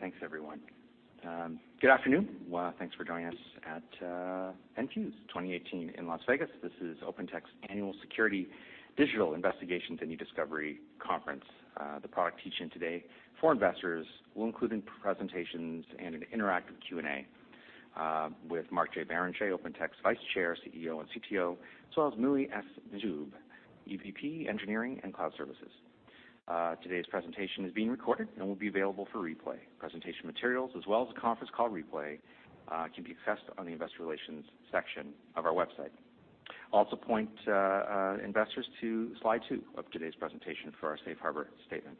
Thanks everyone. Good afternoon. Thanks for joining us at Enfuse 2018 in Las Vegas. This is OpenText's Annual Security, Digital Investigations, and e-Discovery Conference. The product teach-in today for investors will include presentations and an interactive Q&A with Mark J. Barrenechea, OpenText Vice Chair, CEO, and CTO, as well as Muhi S. Majzoub, EVP, Engineering and Cloud Services. Today's presentation is being recorded and will be available for replay. Presentation materials as well as the conference call replay can be accessed on the investor relations section of our website. Also point investors to slide two of today's presentation for our safe harbor statement.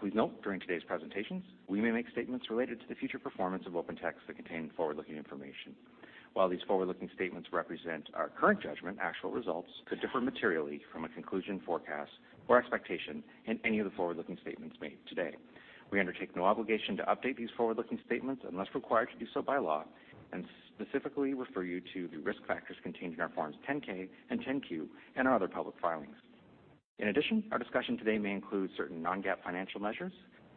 Please note during today's presentations, we may make statements related to the future performance of OpenText that contain forward-looking information. While these forward-looking statements represent our current judgment, actual results could differ materially from a conclusion, forecast, or expectation in any of the forward-looking statements made today. We undertake no obligation to update these forward-looking statements unless required to do so by law, and specifically refer you to the risk factors contained in our Forms 10-K and Form 10-Q and our other public filings. In addition, our discussion today may include certain non-GAAP financial measures.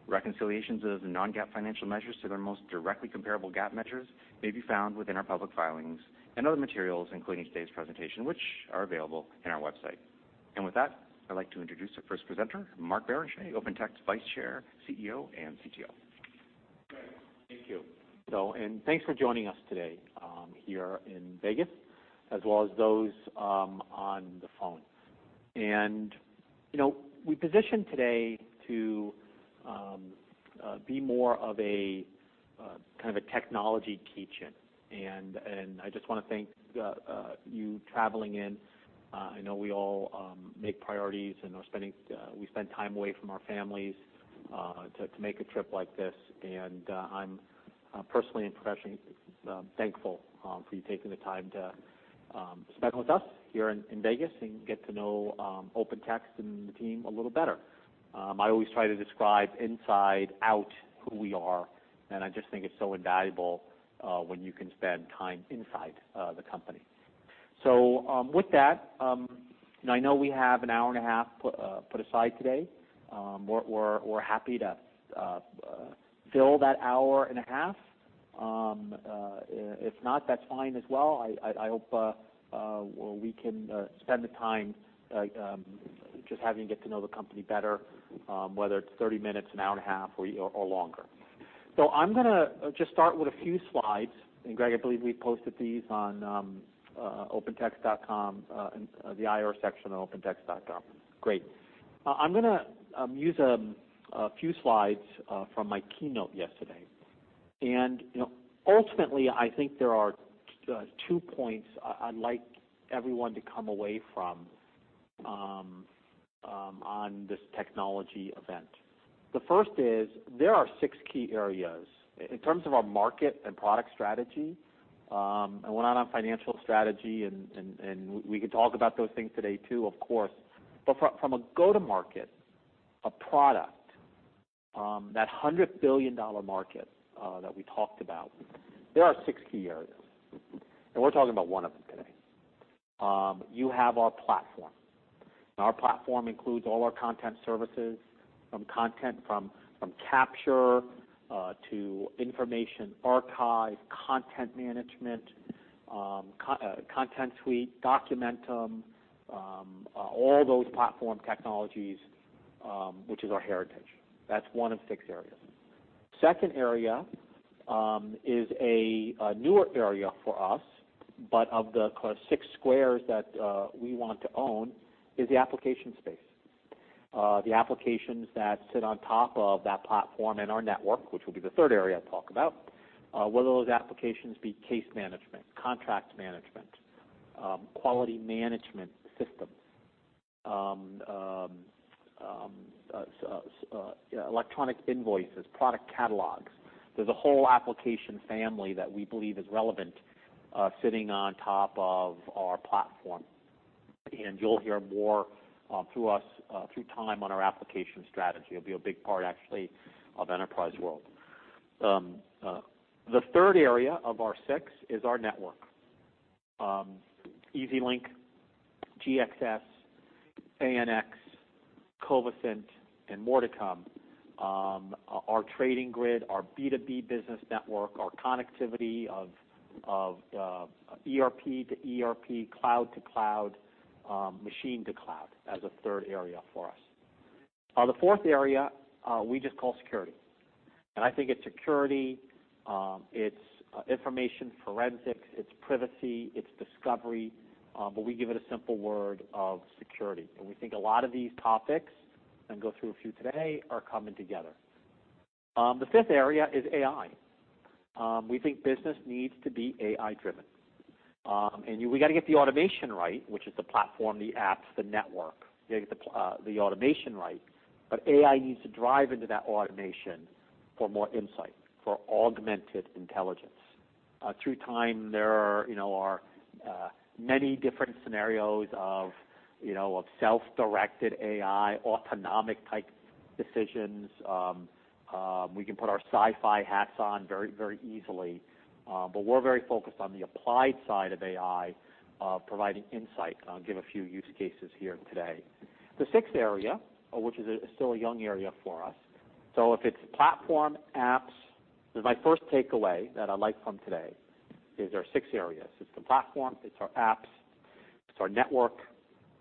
Reconciliations of the non-GAAP financial measures to their most directly comparable GAAP measures may be found within our public filings and other materials, including today's presentation, which are available in our website. With that, I'd like to introduce the first presenter, Mark Barrenechea, OpenText Vice Chair, CEO, and CTO. Great. Thank you. Thanks for joining us today here in Vegas, as well as those on the phone. We positioned today to be more of a kind of a technology teach-in, and I just want to thank you traveling in. I know we all make priorities, and we spend time away from our families to make a trip like this. I'm personally and professionally thankful for you taking the time to spend with us here in Vegas and get to know OpenText and the team a little better. I always try to describe inside out who we are, and I just think it's so invaluable when you can spend time inside the company. With that, I know we have an hour and a half put aside today. We're happy to fill that hour and a half. If not, that's fine as well. I hope we can spend the time just having you get to know the company better, whether it's 30 minutes, an hour and a half, or longer. I'm going to just start with a few slides, and Greg, I believe we posted these on opentext.com, the IR section on opentext.com. Great. I'm going to use a few slides from my keynote yesterday. Ultimately, I think there are two points I'd like everyone to come away from on this technology event. The first is there are six key areas in terms of our market and product strategy. We're not on financial strategy, and we can talk about those things today too, of course. From a go-to-market, a product, that $100 billion market that we talked about, there are six key areas. We're talking about one of them today. You have our platform, and our platform includes all our content services from capture to information archive, content management, Content Suite, Documentum, all those platform technologies, which is our heritage. That's one of six areas. Second area is a newer area for us, but of the six areas that we want to own is the application space. The applications that sit on top of that platform and our network, which will be the third area I'll talk about, whether those applications be case management, contract management, quality management systems, electronic invoices, product catalogs. There's a whole application family that we believe is relevant sitting on top of our platform, and you'll hear more through time on our application strategy. It'll be a big part, actually, of OpenText World. The third area of our six is our network. EasyLink, GXS, ANX, Covisint, and more to come. Our Trading Grid, our B2B business network, our connectivity of ERP to ERP, cloud to cloud, machine to cloud as a third area for us. The fourth area, we just call security. I think it's security, it's information forensics, it's privacy, it's discovery, but we give it a simple word of security. We think a lot of these topics, and go through a few today, are coming together. The fifth area is AI. We think business needs to be AI driven. We got to get the automation right, which is the platform, the apps, the network to get the automation right. AI needs to drive into that automation for more insight, for augmented intelligence. Through time, there are many different scenarios of self-directed AI, autonomic type decisions. We can put our sci-fi hats on very easily. We're very focused on the applied side of AI, providing insight, and I'll give a few use cases here today. The sixth area, which is still a young area for us, so if it's platform apps, my first takeaway that I'd like from today is our six areas. It's the platform, it's our apps, it's our network,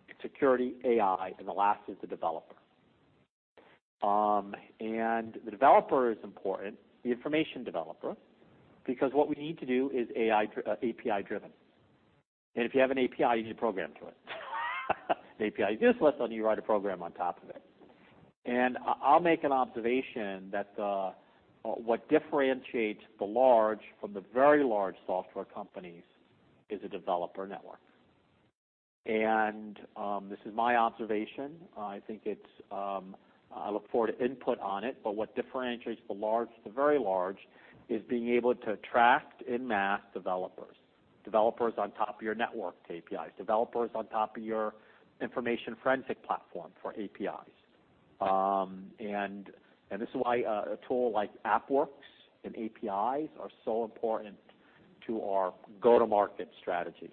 it's security, AI, and the last is the developer. The developer is important, the information developer, because what we need to do is API-driven. If you have an API, you need to program to it. API gives a list, and you write a program on top of it. I'll make an observation that what differentiates the large from the very large software companies is a developer network. This is my observation. I look forward to input on it, what differentiates the large to very large is being able to attract en masse developers. Developers on top of your network to APIs, developers on top of your information forensic platform for APIs. This is why a tool like AppWorks and APIs are so important to our go-to-market strategy.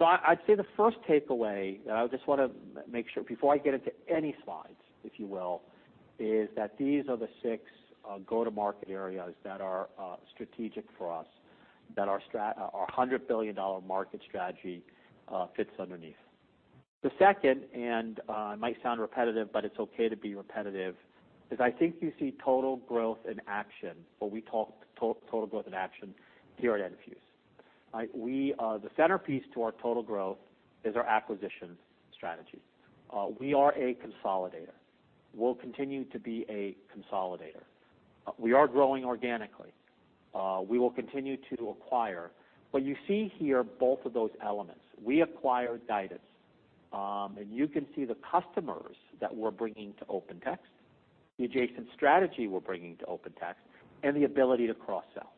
I'd say the first takeaway, I just want to make sure before I get into any slides, if you will, is that these are the six go-to-market areas that are strategic for us, that our $100 billion market strategy fits underneath. The second, and it might sound repetitive, but it's okay to be repetitive, is I think you see total growth in action, what we talk total growth in action here at Enfuse. The centerpiece to our total growth is our acquisition strategy. We are a consolidator. We'll continue to be a consolidator. We are growing organically. We will continue to acquire. You see here both of those elements. We acquired Guidance, and you can see the customers that we're bringing to OpenText, the adjacent strategy we're bringing to OpenText, and the ability to cross-sell.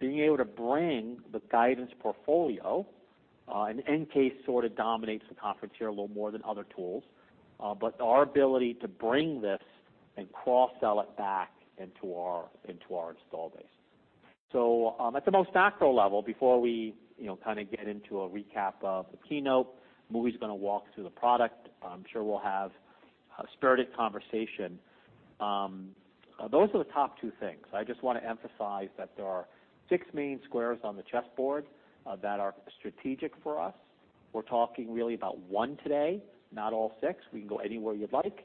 Being able to bring the Guidance portfolio, and EnCase sort of dominates the conference here a little more than other tools, but our ability to bring this and cross-sell it back into our install base. At the most macro level, before we get into a recap of the keynote, Muhi's going to walk through the product. I'm sure we'll have a spirited conversation. Those are the top two things. I just want to emphasize that there are six main squares on the chessboard that are strategic for us. We're talking really about one today, not all six. We can go anywhere you'd like.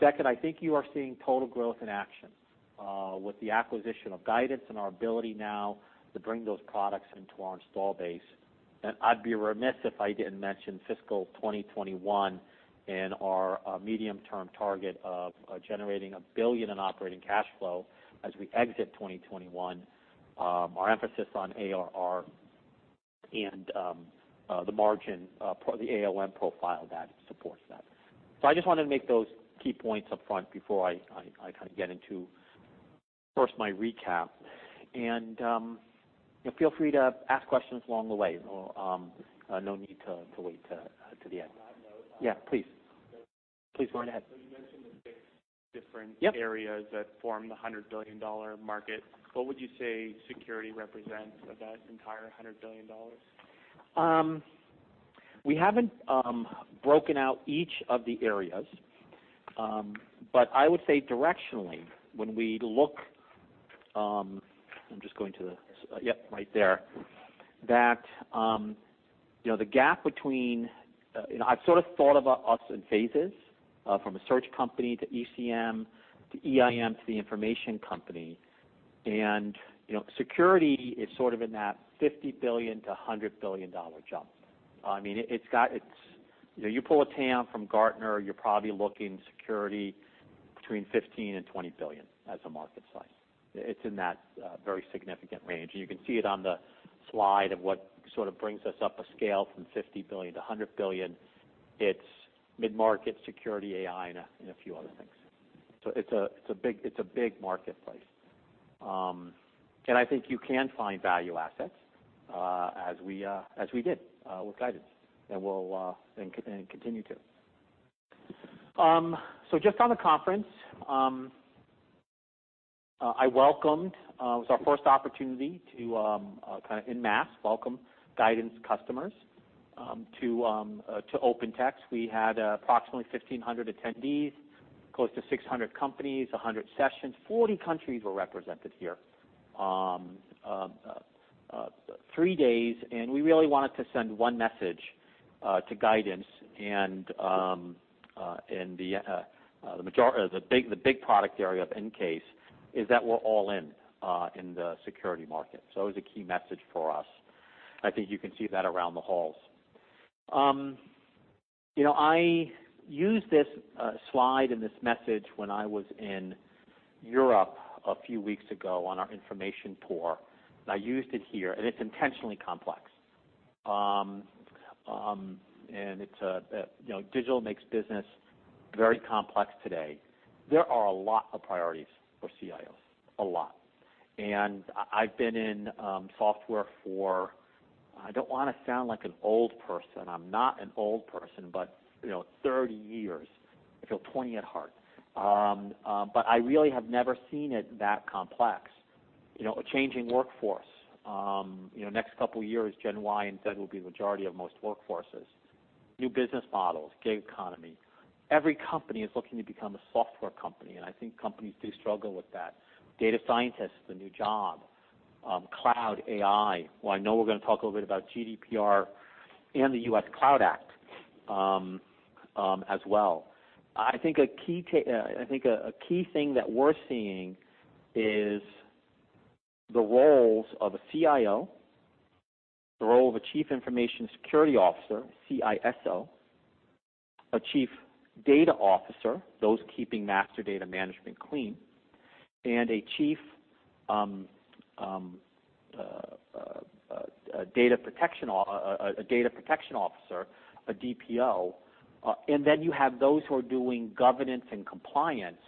Second, I think you are seeing total growth in action. With the acquisition of Guidance and our ability now to bring those products into our install base. I'd be remiss if I didn't mention fiscal 2021 and our medium-term target of generating $1 billion in operating cash flow as we exit 2021. Our emphasis on ARR and the margin, the ALM profile that supports that. I just wanted to make those key points up front before I get into first my recap. Feel free to ask questions along the way. No need to wait to the end. On that note- Yeah, please. Please go ahead. You mentioned the six. Yep areas that form the $100 billion market. What would you say security represents of that entire $100 billion? I would say directionally, when we look, I'm just going to the Yep, right there. I've sort of thought about us in phases, from a search company to ECM, to EIM, to the information company. Security is sort of in that $50 billion-$100 billion jump. You pull a TAM from Gartner, you're probably looking security between $15 billion-$20 billion as a market size. It's in that very significant range. You can see it on the slide of what sort of brings us up a scale from $50 billion-$100 billion. It's mid-market security AI and a few other things. It's a big marketplace. I think you can find value assets as we did with Guidance, and continue to. Just on the conference, it was our first opportunity to en masse welcome Guidance customers to OpenText. We had approximately 1,500 attendees, close to 600 companies, 100 sessions. 40 countries were represented here. Three days. We really wanted to send one message to Guidance and the big product area of EnCase is that we're all in the security market. It was a key message for us. I think you can see that around the halls. I used this slide and this message when I was in Europe a few weeks ago on our information tour, and I used it here. It's intentionally complex. Digital makes business very complex today. There are a lot of priorities for CIOs, a lot. I've been in software for, I don't want to sound like an old person. I'm not an old person, but 30 years. I feel 20 at heart. I really have never seen it that complex. A changing workforce. Next couple of years, Gen Y and Z will be the majority of most workforces. New business models, gig economy. Every company is looking to become a software company, and I think companies do struggle with that. Data scientist is the new job. Cloud, AI. I know we're going to talk a little bit about GDPR and the U.S. CLOUD Act as well. I think a key thing that we're seeing is the roles of a CIO, the role of a chief information security officer, CISO, a chief data officer, those keeping master data management clean, and a chief data protection officer, a DPO. Then you have those who are doing governance and compliance.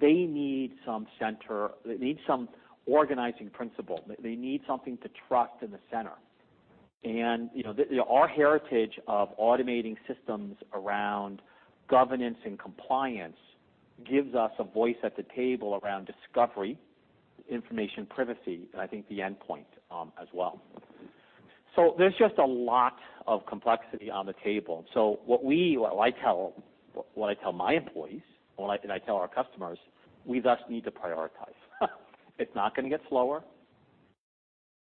They need some center. They need some organizing principle. They need something to trust in the center. Our heritage of automating systems around governance and compliance gives us a voice at the table around discovery, information privacy, and I think the endpoint as well. There's just a lot of complexity on the table. What I tell my employees and I tell our customers, we thus need to prioritize. It's not going to get slower.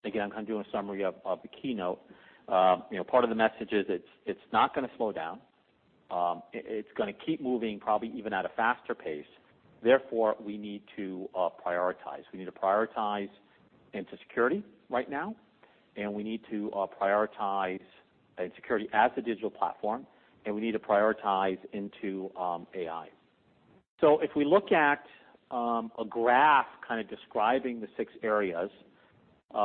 Again, I'm doing a summary of the keynote. Part of the message is it's not going to slow down. It's going to keep moving, probably even at a faster pace. Therefore, we need to prioritize. We need to prioritize into security right now, and we need to prioritize security as a digital platform, and we need to prioritize into AI. If we look at a graph describing the six areas, there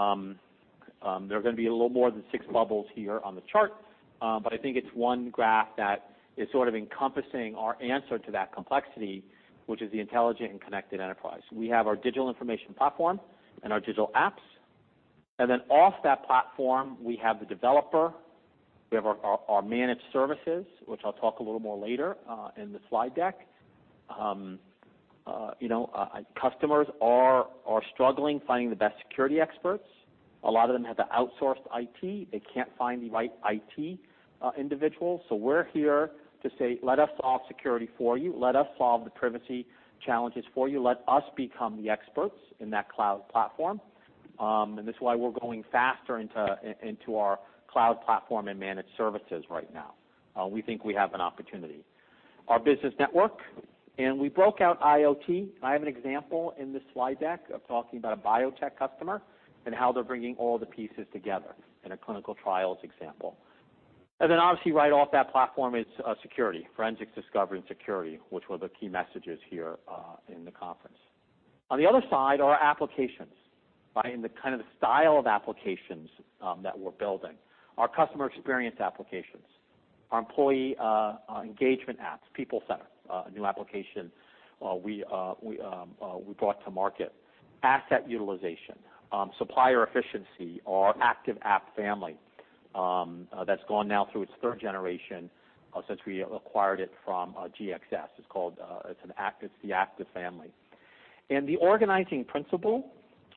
are going to be a little more than six bubbles here on the chart. I think it's one graph that is encompassing our answer to that complexity, which is the intelligent and connected enterprise. We have our digital information platform and our digital apps, then off that platform, we have the developer. We have our managed services, which I'll talk a little more later in the slide deck. Customers are struggling finding the best security experts. A lot of them have outsourced IT. They can't find the right IT individuals. We're here to say, "Let us solve security for you. Let us solve the privacy challenges for you. Let us become the experts in that cloud platform." This is why we're going faster into our cloud platform and managed services right now. We think we have an opportunity. Our business network, and we broke out IoT. I have an example in this slide deck of talking about a biotech customer and how they're bringing all the pieces together in a clinical trials example. Then obviously right off that platform, it's security, forensics discovery, and security, which were the key messages here in the conference. On the other side are applications, and the style of applications that we're building. Our customer experience applications, our employee engagement apps, People Center, a new application we brought to market. Asset utilization, supplier efficiency, our ACTIVE app family that's gone now through its third generation since we acquired it from GXS. It's the ACTIVE family. The organizing principle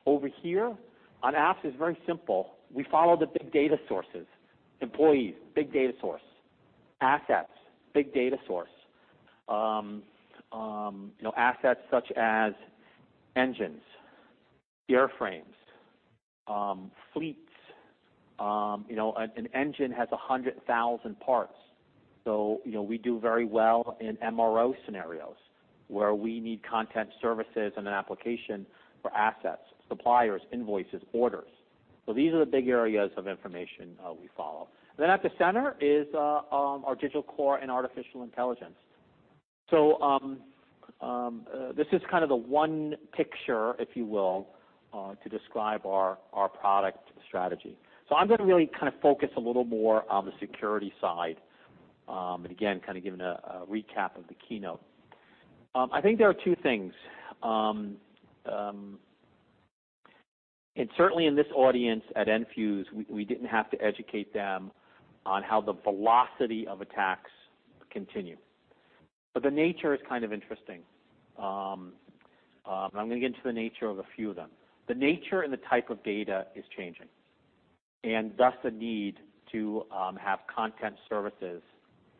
over here on apps is very simple. We follow the big data sources. Employees, big data source. Assets, big data source. Assets such as engines, airframes, fleets. An engine has 100,000 parts. We do very well in MRO scenarios where we need content services and an application for assets, suppliers, invoices, orders. These are the big areas of information we follow. At the center is our digital core and artificial intelligence. This is the one picture, if you will, to describe our product strategy. I'm going to really focus a little more on the security side, again, giving a recap of the keynote. I think there are two things. Certainly in this audience at Enfuse, we didn't have to educate them on how the velocity of attacks continue. The nature is interesting. I'm going to get into the nature of a few of them. The nature and the type of data is changing, thus the need to have content services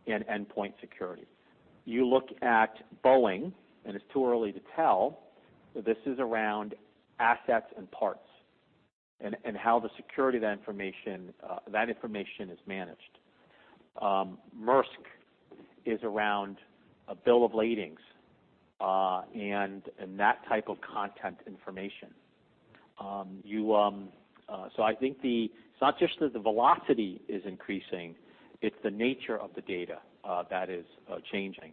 and endpoint security. You look at Boeing. It's too early to tell, but this is around assets and parts and how the security of that information is managed. Maersk is around a bill of ladings and that type of content information. I think it's not just that the velocity is increasing, it's the nature of the data that is changing.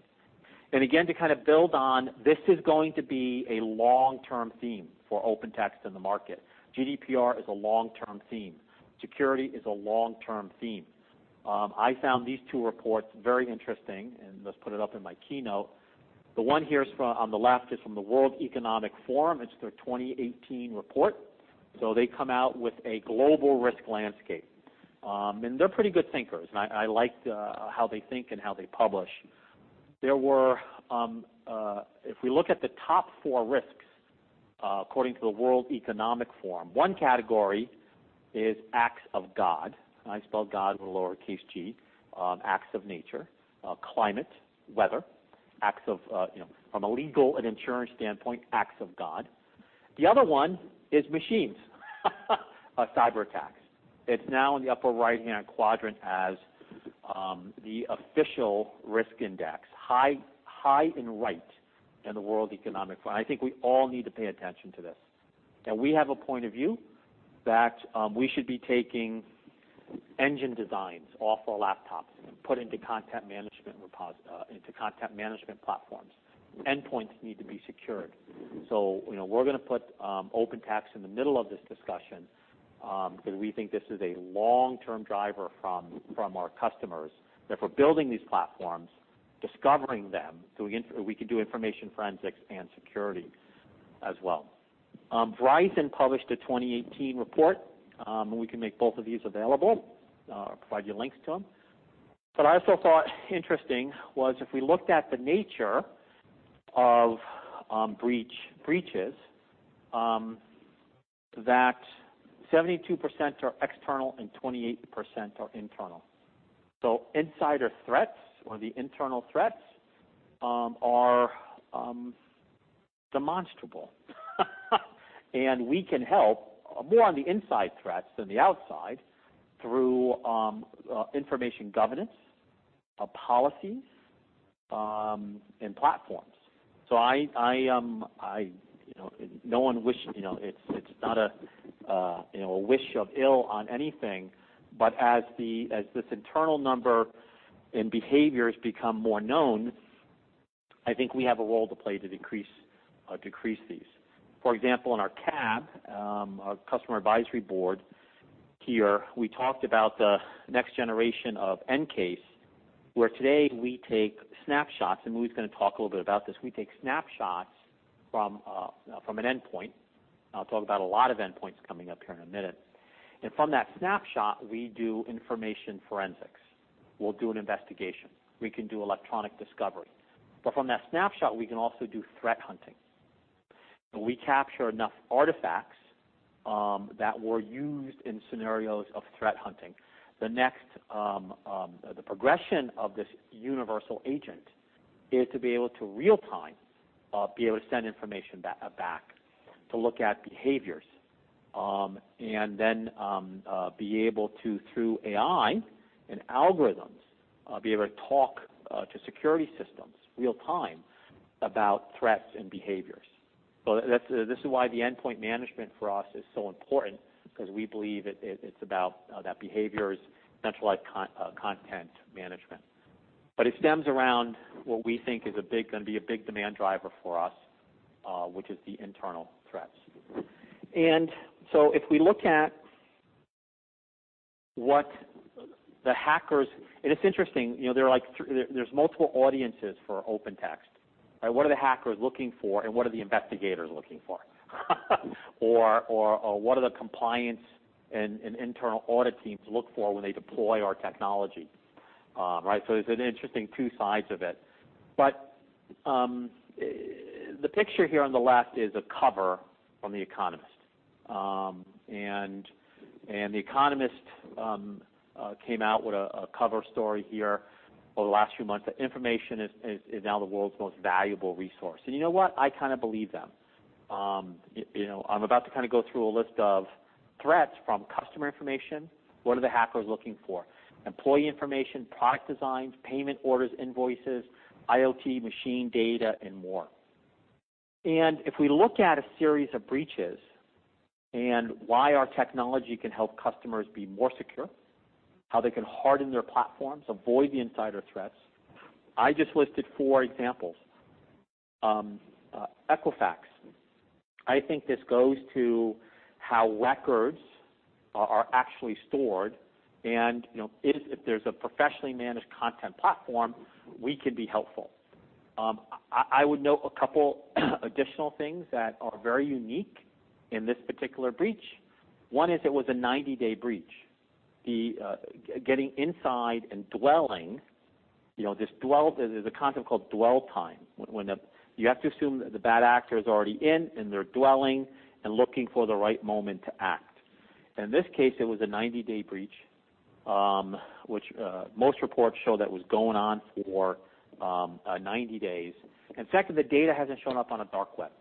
Again, to build on, this is going to be a long-term theme for OpenText in the market. GDPR is a long-term theme. Security is a long-term theme. I found these two reports very interesting, thus put it up in my keynote. The one here on the left is from the World Economic Forum. It's their 2018 report. They come out with a global risk landscape. They're pretty good thinkers, I like how they think and how they publish. If we look at the top four risks According to the World Economic Forum, one category is acts of God. I spell God with a lowercase G. Acts of nature, climate, weather, from a legal and insurance standpoint, acts of God. The other one is machines, cyber attacks. It's now in the upper right-hand quadrant as the official risk index, high and right in the World Economic Forum. I think we all need to pay attention to this. We have a point of view that we should be taking engine designs off our laptops and put into content management platforms. Endpoints need to be secured. We're going to put OpenText in the middle of this discussion, because we think this is a long-term driver from our customers, that if we're building these platforms, discovering them, we can do information forensics and security as well. Verizon published a 2018 report. We can make both of these available, provide you links to them. What I also thought interesting was if we looked at the nature of breaches, 72% are external and 28% are internal. Insider threats or the internal threats are demonstrable. We can help more on the inside threats than the outside through information governance, policies, and platforms. It's not a wish of ill on anything. As this internal number and behaviors become more known, I think we have a role to play to decrease these. For example, in our CAB, our Customer Advisory Board here, we talked about the next generation of EnCase, where today we take snapshots. Muhi's going to talk a little bit about this. We take snapshots from an endpoint. I'll talk about a lot of endpoints coming up here in a minute. From that snapshot, we do information forensics. We'll do an investigation. We can do electronic discovery. From that snapshot, we can also do threat hunting. We capture enough artifacts that were used in scenarios of threat hunting. The progression of this universal agent is to be able to real time, be able to send information back to look at behaviors, then be able to, through AI and algorithms, be able to talk to security systems real time about threats and behaviors. This is why the endpoint management for us is so important because we believe it's about that behavior is centralized content management. It stems around what we think is going to be a big demand driver for us, which is the internal threats. It's interesting, there's multiple audiences for OpenText. What are the hackers looking for and what are the investigators looking for? What are the compliance and internal audit teams look for when they deploy our technology? There's an interesting two sides of it. The picture here on the left is a cover from "The Economist." "The Economist" came out with a cover story here over the last few months that information is now the world's most valuable resource. You know what? I kind of believe them. I'm about to go through a list of threats from customer information. What are the hackers looking for? Employee information, product designs, payment orders, invoices, IoT, machine data, and more. If we look at a series of breaches and why our technology can help customers be more secure, how they can harden their platforms, avoid the insider threats, I just listed four examples. Equifax, I think this goes to how records are actually stored and if there's a professionally managed content platform, we can be helpful. I would note a couple additional things that are very unique in this particular breach. One is it was a 90-day breach. Getting inside and dwelling, there's a concept called dwell time, when you have to assume that the bad actor is already in, and they're dwelling and looking for the right moment to act. In this case, it was a 90-day breach, which most reports show that was going on for 90 days. Second, the data hasn't shown up on a dark web.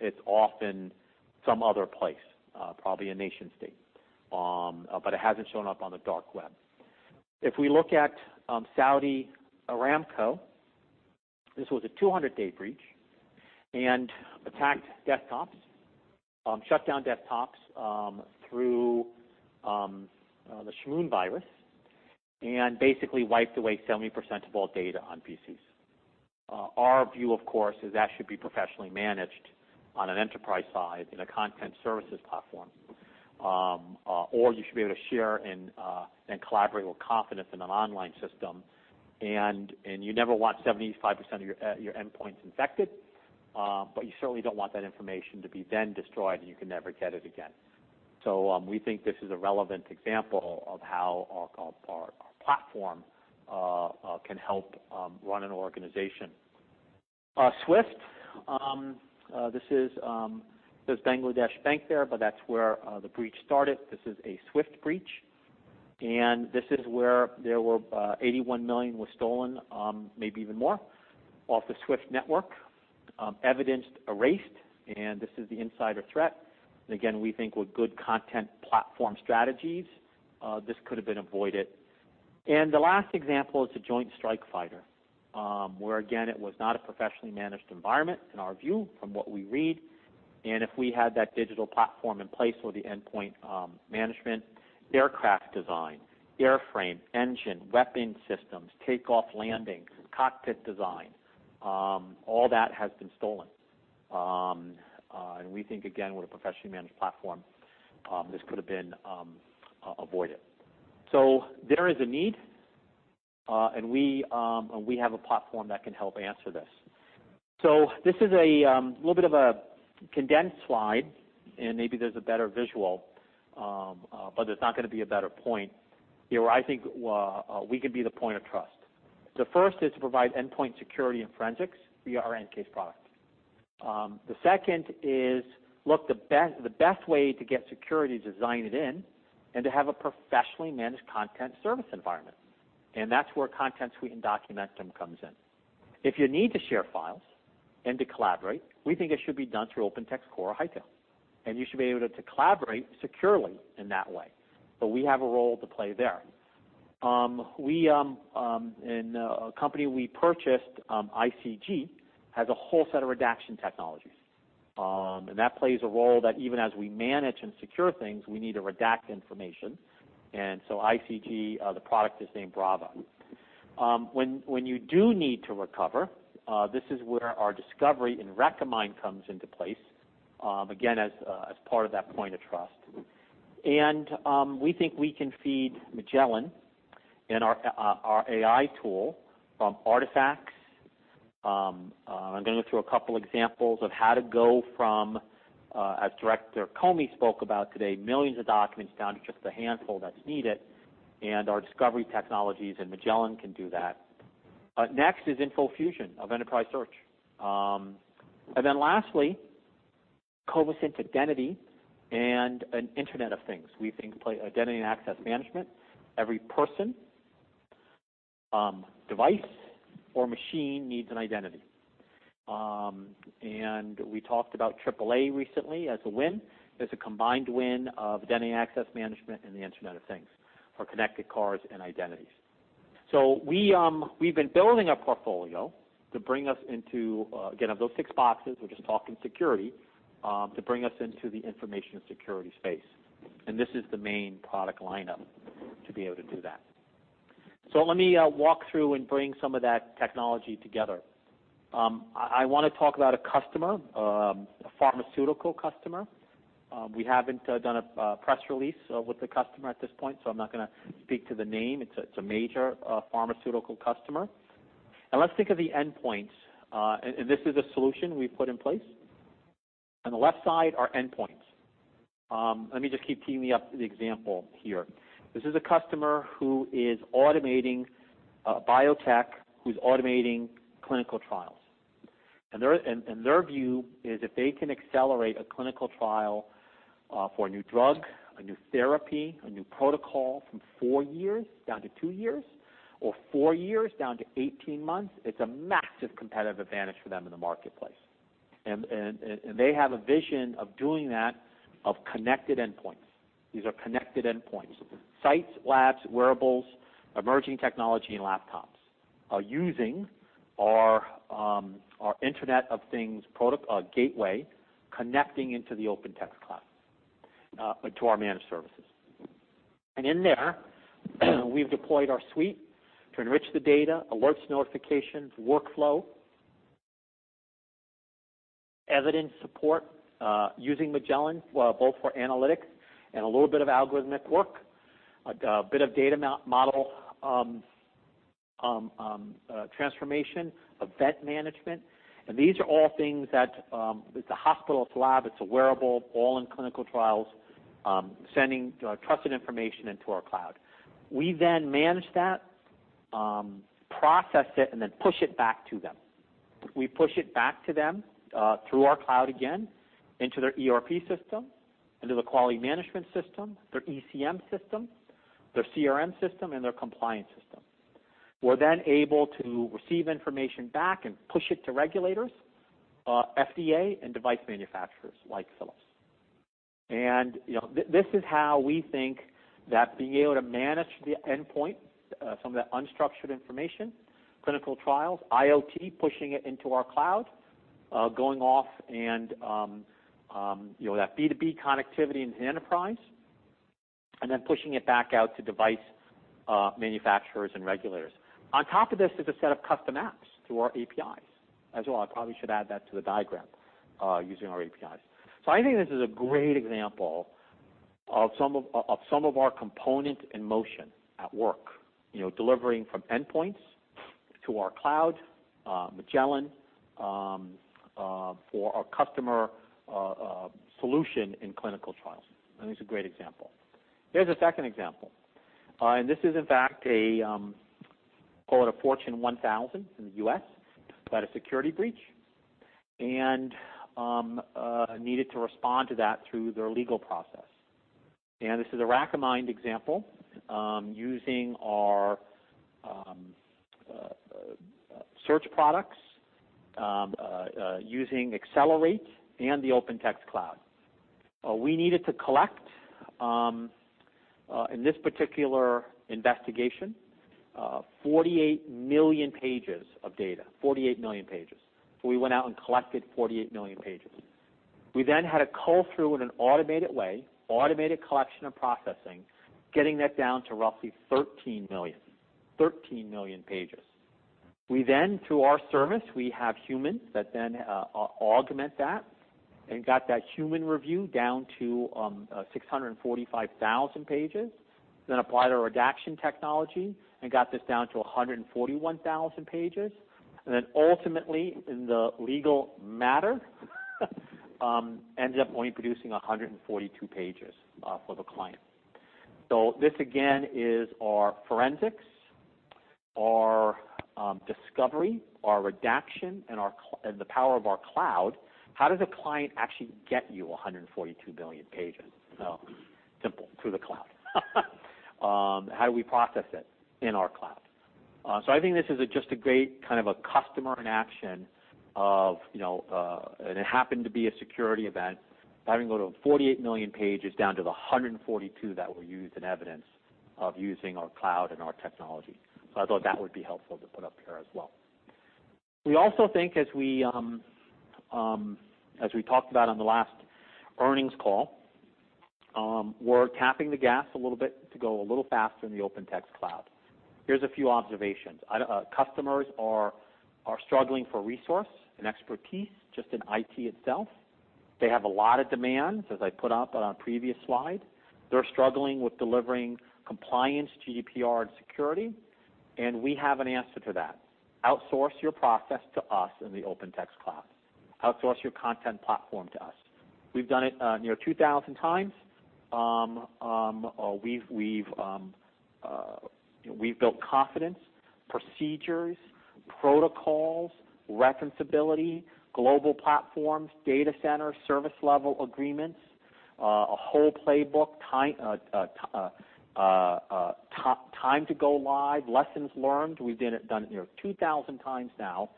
It's often some other place, probably a nation-state. It hasn't shown up on the dark web. We look at Saudi Aramco, this was a 200-day breach and attacked desktops, shut down desktops through the Shamoon virus, and basically wiped away 70% of all data on PCs. Our view, of course, is that should be professionally managed on an enterprise side in a content services platform. You should be able to share and collaborate with confidence in an online system, and you never want 75% of your endpoints infected. You certainly don't want that information to be then destroyed, and you can never get it again. We think this is a relevant example of how our platform can help run an organization. SWIFT, there's Bangladesh Bank there, but that's where the breach started. This is a SWIFT breach, and this is where $81 million was stolen, maybe even more, off the SWIFT network. Evidence erased. This is the insider threat. Again, we think with good content platform strategies, this could have been avoided. The last example is the Joint Strike Fighter, where again, it was not a professionally managed environment, in our view, from what we read. If we had that digital platform in place with the endpoint management, aircraft design, airframe, engine, weapons systems, takeoff, landing, cockpit design, all that has been stolen. We think, again, with a professionally managed platform, this could have been avoided. There is a need, and we have a platform that can help answer this. This is a little bit of a condensed slide, and maybe there's a better visual, but there's not going to be a better point. I think we can be the point of trust. The first is to provide endpoint security and forensics via our EnCase product. The second is, look, the best way to get security, design it in, and to have a professionally managed content service environment. That's where Content Suite and Documentum comes in. If you need to share files and to collaborate, we think it should be done through OpenText Core Hightail. You should be able to collaborate securely in that way, but we have a role to play there. A company we purchased, ICG, has a whole set of redaction technologies. That plays a role that even as we manage and secure things, we need to redact information. So ICG, the product is named Brava! When you do need to recover, this is where our discovery in Recommind comes into place, again, as part of that point of trust. We think we can feed Magellan in our AI tool from artifacts. I'm going to go through a couple examples of how to go from, as Director Comey spoke about today, millions of documents down to just the handful that's needed, and our discovery technologies in Magellan can do that. Next is InfoFusion of Enterprise Search. Lastly, Covisint Identity and Internet of Things. We think identity and access management, every person, device, or machine needs an identity. We talked about AAA recently as a win. It's a combined win of identity access management and the Internet of Things for connected cars and identities. We've been building a portfolio to bring us into, again, of those six boxes, we're just talking security, to bring us into the information security space. This is the main product lineup to be able to do that. Let me walk through and bring some of that technology together. I want to talk about a customer, a pharmaceutical customer. We haven't done a press release with the customer at this point, so I'm not going to speak to the name. It's a major pharmaceutical customer. Let's think of the endpoints. This is a solution we've put in place. On the left side are endpoints. Let me just keep teeing you up the example here. This is a customer who is automating biotech, who's automating clinical trials. Their view is if they can accelerate a clinical trial for a new drug, a new therapy, a new protocol from four years down to two years, or four years down to 18 months, it's a massive competitive advantage for them in the marketplace. They have a vision of doing that of connected endpoints. These are connected endpoints. Sites, labs, wearables, emerging technology, and laptops are using our Internet of Things gateway, connecting into the OpenText Cloud to our managed services. In there, we've deployed our suite to enrich the data, alerts and notifications, workflow, evidence support using Magellan, both for analytics and a little bit of algorithmic work, a bit of data model transformation, event management. These are all things that it's a hospital, it's a lab, it's a wearable, all in clinical trials, sending trusted information into our cloud. We manage that, process it, and push it back to them. We push it back to them through our cloud again, into their ERP system, into their quality management system, their ECM system, their CRM system, and their compliance system. We're able to receive information back and push it to regulators, FDA, and device manufacturers like Philips. This is how we think that being able to manage the endpoint, some of that unstructured information, clinical trials, IoT, pushing it into our cloud, going off and that B2B connectivity into the enterprise, and pushing it back out to device manufacturers and regulators. On top of this is a set of custom apps through our APIs as well. I probably should add that to the diagram, using our APIs. I think this is a great example of some of our component in motion at work, delivering from endpoints to our cloud, Magellan, for our customer solution in clinical trials. I think it's a great example. Here's a second example, this is in fact a, call it a Fortune 1,000 in the U.S., who had a security breach and needed to respond to that through their legal process. This is a Recommind example using our search products, using Axcelerate and the OpenText Cloud. We needed to collect, in this particular investigation, 48 million pages of data. 48 million pages. We went out and collected 48 million pages. We had to cull through in an automated way, automated collection and processing, getting that down to roughly 13 million. 13 million pages. Through our service, we have humans that augment that, and got that human review down to 645,000 pages. Applied our redaction technology and got this down to 141,000 pages, and ultimately, in the legal matter, ended up only producing 142 pages for the client. This, again, is our forensics, our discovery, our redaction, and the power of our cloud. How does a client actually get you 142 million pages? Simple. Through the cloud. How do we process it? In our cloud. I think this is just a great kind of a customer in action of It happened to be a security event, having to go to 48 million pages down to the 142 that were used in evidence of using our cloud and our technology. I thought that would be helpful to put up here as well. We also think, as we talked about on the last earnings call, we're tapping the gas a little bit to go a little faster in the OpenText Cloud. Here's a few observations. Customers are struggling for resource and expertise, just in IT itself. They have a lot of demands, as I put up on a previous slide. They're struggling with delivering compliance, GDPR, and security, and we have an answer to that. Outsource your process to us in the OpenText Cloud. Outsource your content platform to us. We've done it near 2,000 times. We've built confidence, procedures, protocols, referenceability, global platforms, data centers, service level agreements, a whole playbook, time to go live, lessons learned. We've done it near 2,000 times now,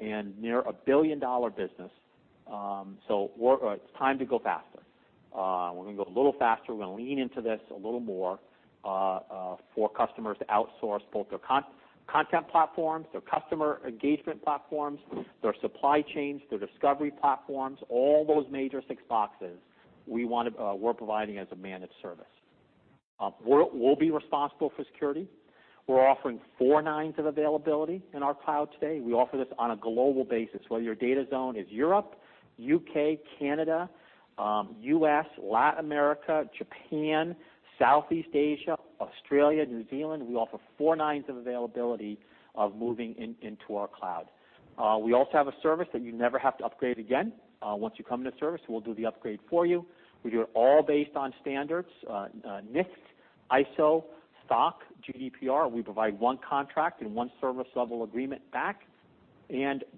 and near a billion-dollar business. It's time to go faster. We're going to go a little faster. We're going to lean into this a little more for customers to outsource both their content platforms, their customer engagement platforms, their supply chains, their discovery platforms, all those major six boxes we're providing as a managed service. We'll be responsible for security. We're offering four nines of availability in our cloud today. We offer this on a global basis, whether your data zone is Europe, U.K., Canada, U.S., Latin America, Japan, Southeast Asia, Australia, New Zealand. We offer four nines of availability of moving into our cloud. We also have a service that you never have to upgrade again. Once you come into service, we'll do the upgrade for you. We do it all based on standards, NIST, ISO, SOC, GDPR. We provide one contract and one service level agreement back.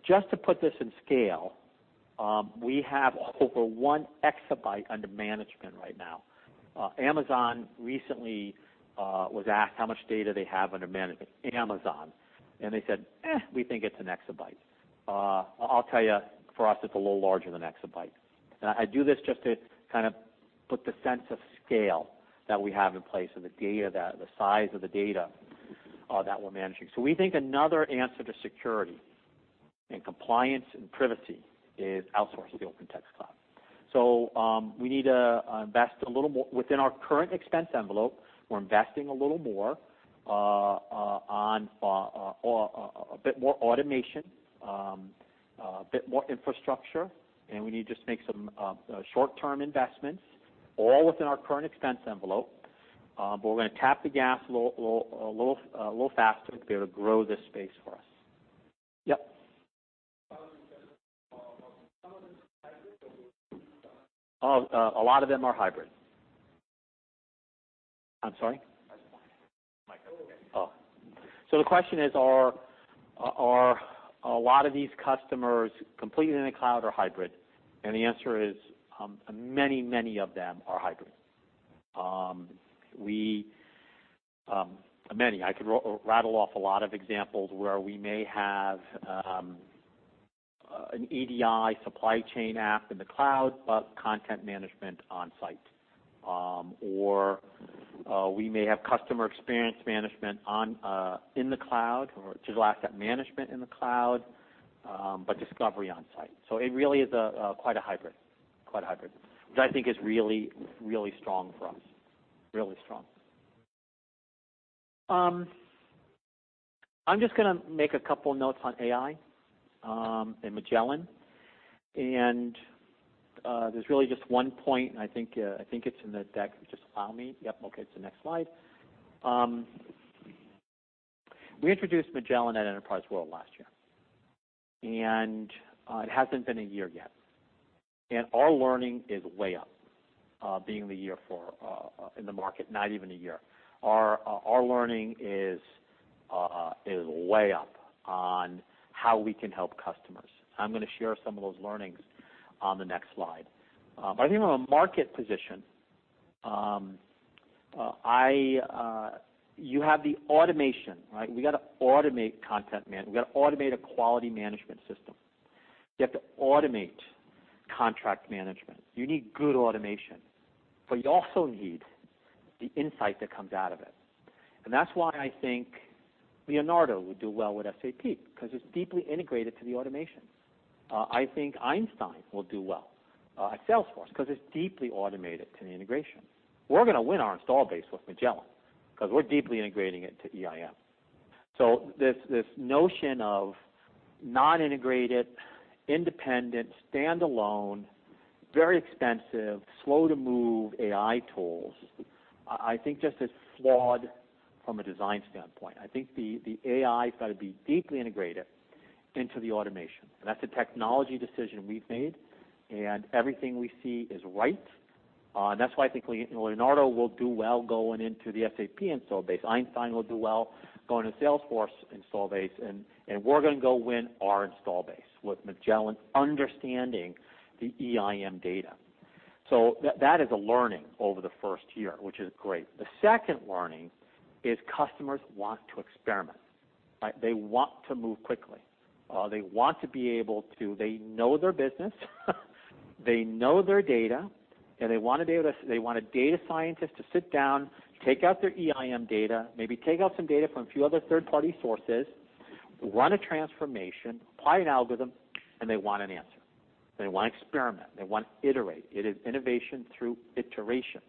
Just to put this in scale, we have over one exabyte under management right now. Amazon recently was asked how much data they have under management, Amazon. They said, "Eh, we think it's an exabyte." I'll tell you, for us, it's a little larger than exabyte. I do this just to kind of put the sense of scale that we have in place and the size of the data that we're managing. We think another answer to security and compliance and privacy is outsourcing the OpenText Cloud. We need to invest a little more. Within our current expense envelope, we're investing a little more on a bit more automation, a bit more infrastructure, and we need to just make some short-term investments, all within our current expense envelope. We're going to tap the gas a little faster to be able to grow this space for us. Yep. Are some of them hybrid or completely cloud? A lot of them are hybrid. I'm sorry? Hybrid cloud. Oh. The question is, are a lot of these customers completely in the cloud or hybrid? The answer is, many, many of them are hybrid. Many. I could rattle off a lot of examples where we may have an EDI supply chain app in the cloud, but content management on-site. Or we may have customer experience management in the cloud, or digital asset management in the cloud, but discovery on-site. It really is quite a hybrid. Quite a hybrid, which I think is really, really strong for us. Really strong. I'm just going to make a couple notes on AI and Magellan. There's really just one point, and I think it's in the deck. Just allow me. Yep. Okay, it's the next slide. We introduced Magellan at Enterprise World last year, and it hasn't been a year yet, and our learning is way up, being in the market not even a year. Our learning is way up on how we can help customers. I'm going to share some of those learnings on the next slide. I think on a market position, you have the automation, right? We got to automate content. We got to automate a quality management system. You have to automate contract management. You need good automation, but you also need the insight that comes out of it. That's why I think Leonardo would do well with SAP, because it's deeply integrated to the automation. I think Einstein will do well at Salesforce because it's deeply automated to the integration. We're going to win our install base with Magellan because we're deeply integrating it into EIM. This notion of non-integrated, independent, standalone, very expensive, slow-to-move AI tools, I think just is flawed from a design standpoint. I think the AI's got to be deeply integrated into the automation, and that's a technology decision we've made, and everything we see is right. That's why I think Leonardo will do well going into the SAP install base. Einstein will do well going to Salesforce install base, and we're going to go win our install base with Magellan understanding the EIM data. That is a learning over the first year, which is great. The second learning is customers want to experiment. They want to move quickly. They know their business, they know their data, and they want a data scientist to sit down, take out their EIM data, maybe take out some data from a few other third-party sources, run a transformation, apply an algorithm, and they want an answer. They want to experiment. They want to iterate. It is innovation through iteration.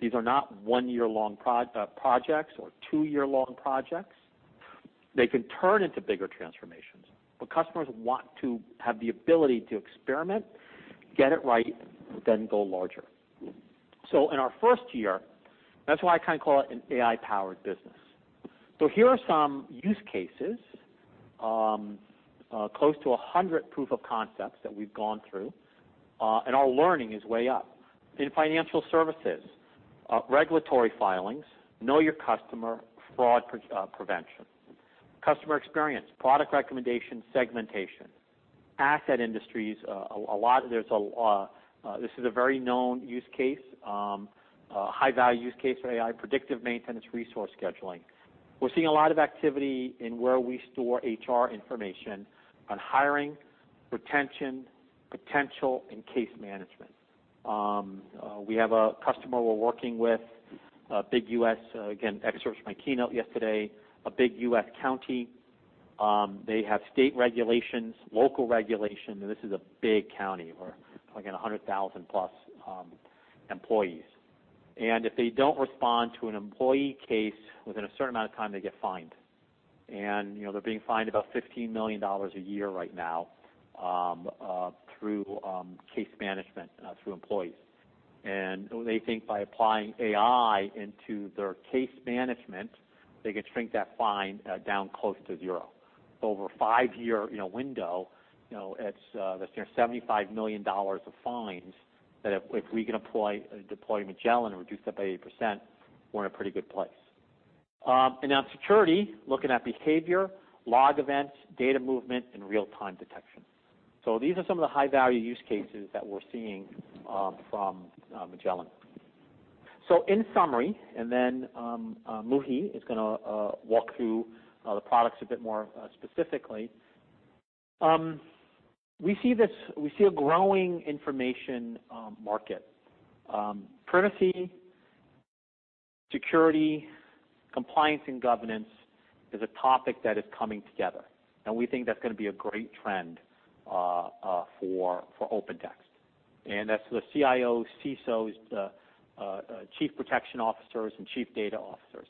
These are not 1-year-long projects or 2-year-long projects. They can turn into bigger transformations, but customers want to have the ability to experiment, get it right, then go larger. In our first year, that's why I kind of call it an AI-powered business. Here are some use cases, close to 100 proof of concepts that we've gone through, and our learning is way up. In financial services, regulatory filings, know your customer, fraud prevention. Customer experience, product recommendation, segmentation. Asset industries, this is a very known use case, a high-value use case for AI, predictive maintenance, resource scheduling. We're seeing a lot of activity in where we store HR information on hiring, retention, potential, and case management. We have a customer we're working with, again, excerpts from my keynote yesterday, a big U.S. county. They have state regulations, local regulations, and this is a big county. We're looking at 100,000-plus employees. If they don't respond to an employee case within a certain amount of time, they get fined. They're being fined about $15 million a year right now through case management through employees. They think by applying AI into their case management, they can shrink that fine down close to zero. Over a 5-year window, that's $75 million of fines that if we can deploy Magellan and reduce that by 80%, we're in a pretty good place. On security, looking at behavior, log events, data movement, and real-time detection. These are some of the high-value use cases that we're seeing from Magellan. In summary, and then Muhi is going to walk through the products a bit more specifically. We see a growing information market. Privacy, security, compliance, and governance is a topic that is coming together, and we think that's going to be a great trend for OpenText. That's the CIO, CISO, chief protection officers, and chief data officers.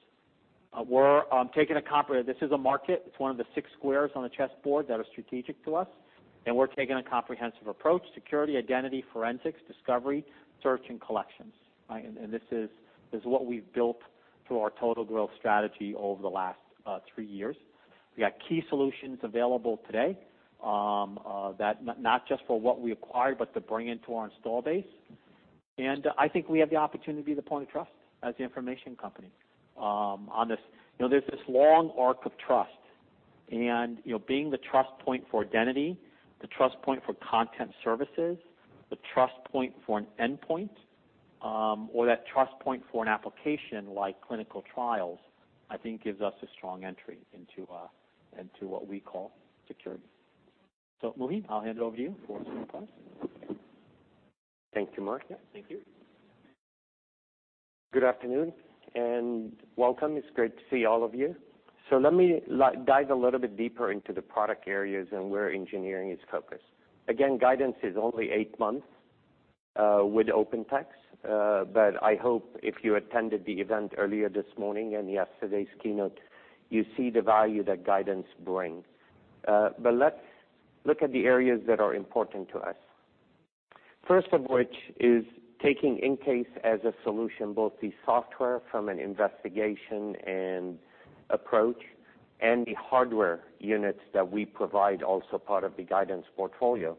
This is a market. It's one of the six squares on the chessboard that are strategic to us, and we're taking a comprehensive approach: security, identity, forensics, discovery, search, and collections. This is what we've built through our total growth strategy over the last three years. We got key solutions available today, not just for what we acquired, but to bring into our install base. I think we have the opportunity to be the point of trust as the information company on this. There's this long arc of trust. Being the trust point for identity, the trust point for content services, the trust point for an endpoint, or that trust point for an application like clinical trials, I think gives us a strong entry into what we call security. Muhi, I'll hand it over to you for some comments. Thank you, Mark. Yeah, thank you. Good afternoon, and welcome. It's great to see all of you. Let me dive a little bit deeper into the product areas and where engineering is focused. Again, Guidance is only eight months with OpenText, I hope if you attended the event earlier this morning and yesterday's keynote, you see the value that Guidance brings. Let's look at the areas that are important to us. First of which is taking EnCase as a solution, both the software from an investigation and approach, and the hardware units that we provide also part of the Guidance portfolio,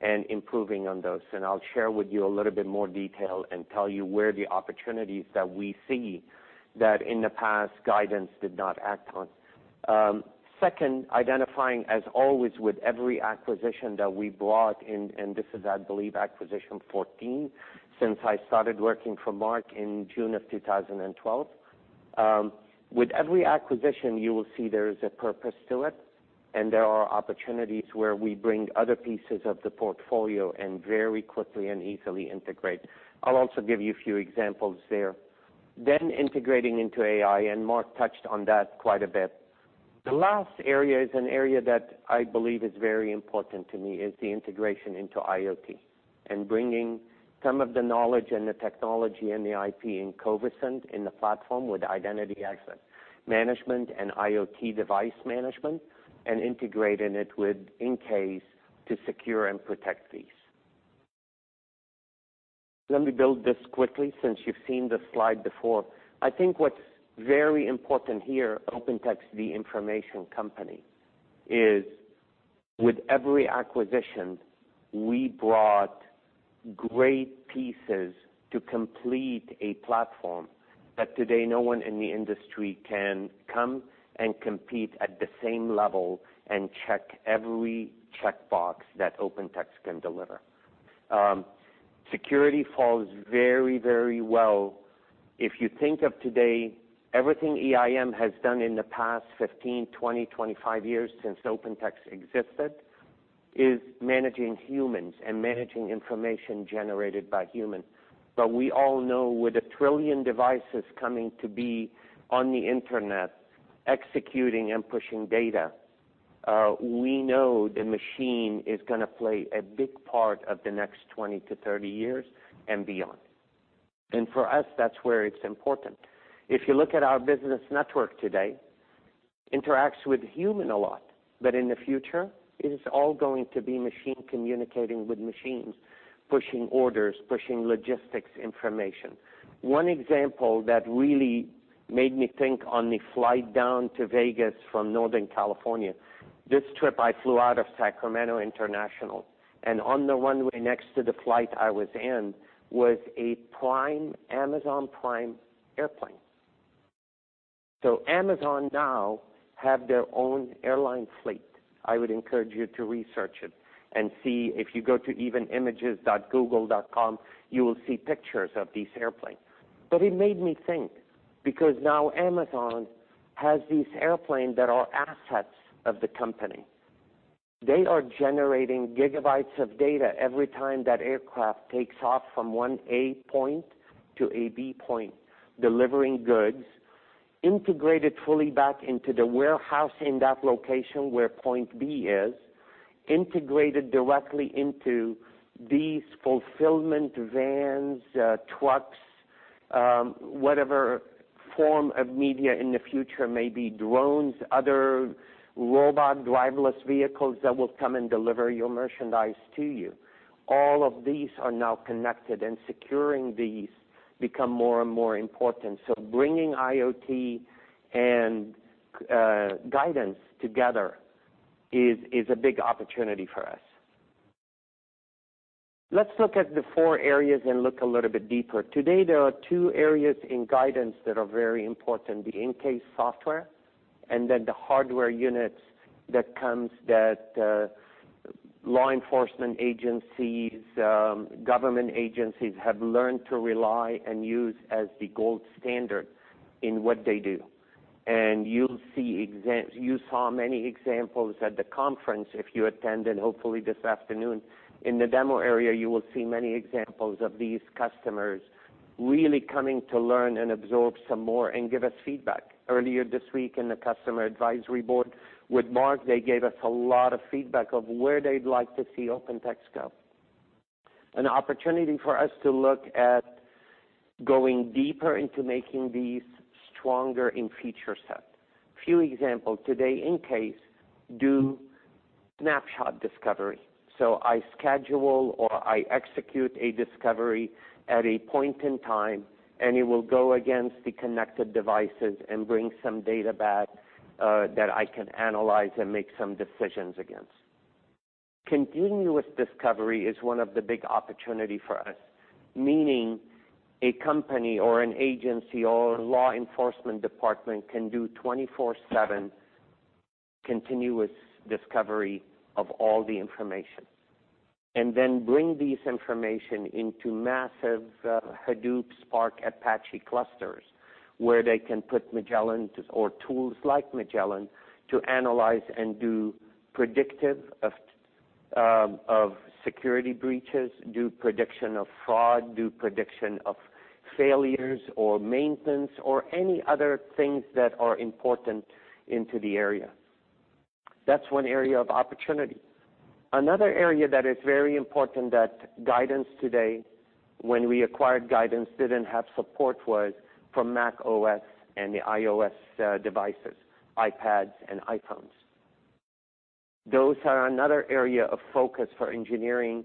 and improving on those. I'll share with you a little bit more detail and tell you where the opportunities that we see that in the past, Guidance did not act on. Identifying as always with every acquisition that we brought in, and this is, I believe, acquisition 14 since I started working for Mark in June of 2012. With every acquisition, you will see there is a purpose to it, and there are opportunities where we bring other pieces of the portfolio and very quickly and easily integrate. I'll also give you a few examples there. Integrating into AI, and Mark touched on that quite a bit. The last area is an area that I believe is very important to me, is the integration into IoT and bringing some of the knowledge and the technology and the IP in Covisint, in the platform with identity access management and IoT device management, and integrating it with EnCase to secure and protect these. Let me build this quickly since you've seen the slide before. I think what's very important here, OpenText, the information company, is with every acquisition, we brought great pieces to complete a platform that today no one in the industry can come and compete at the same level and check every checkbox that OpenText can deliver. Security falls very, very well. If you think of today, everything EIM has done in the past 15, 20, 25 years since OpenText existed, is managing humans and managing information generated by humans. We all know with a trillion devices coming to be on the internet executing and pushing data, we know the machine is going to play a big part of the next 20 to 30 years and beyond. For us, that's where it's important. If you look at our business network today, interacts with human a lot, but in the future, it is all going to be machine communicating with machines, pushing orders, pushing logistics information. One example that really made me think on the flight down to Vegas from Northern California, this trip I flew out of Sacramento International, and on the runway next to the flight I was in was a Prime, Amazon Prime airplane. Amazon now have their own airline fleet. I would encourage you to research it and see if you go to even images.google.com, you will see pictures of these airplanes. It made me think because now Amazon has these airplanes that are assets of the company. They are generating gigabytes of data every time that aircraft takes off from one A point to a B point, delivering goods, integrated fully back into the warehouse in that location where point B is, integrated directly into these fulfillment vans, trucks, whatever form of media in the future may be drones, other robot driverless vehicles that will come and deliver your merchandise to you. All of these are now connected and securing these become more and more important. Bringing IoT and Guidance together is a big opportunity for us. Let's look at the four areas and look a little bit deeper. Today, there are two areas in Guidance that are very important. The EnCase software and then the hardware units that comes that law enforcement agencies, government agencies have learned to rely and use as the gold standard in what they do. You saw many examples at the conference if you attended, hopefully this afternoon. In the demo area, you will see many examples of these customers really coming to learn and absorb some more and give us feedback. Earlier this week in the customer advisory board with Mark, they gave us a lot of feedback of where they'd like to see OpenText go. An opportunity for us to look at going deeper into making these stronger in feature set. Few examples today, EnCase do snapshot discovery. I schedule or I execute a discovery at a point in time, and it will go against the connected devices and bring some data back, that I can analyze and make some decisions against. Continuous discovery is one of the big opportunity for us, meaning a company or an agency or a law enforcement department can do 24/7 continuous discovery of all the information. Then bring this information into massive Hadoop, Spark, Apache clusters where they can put Magellan or tools like Magellan to analyze and do predictive of security breaches, do prediction of fraud, do prediction of failures or maintenance, or any other things that are important into the area. That's one area of opportunity. Another area that is very important that Guidance today, when we acquired Guidance, didn't have support was for macOS and the iOS devices, iPads and iPhones. Those are another area of focus for engineering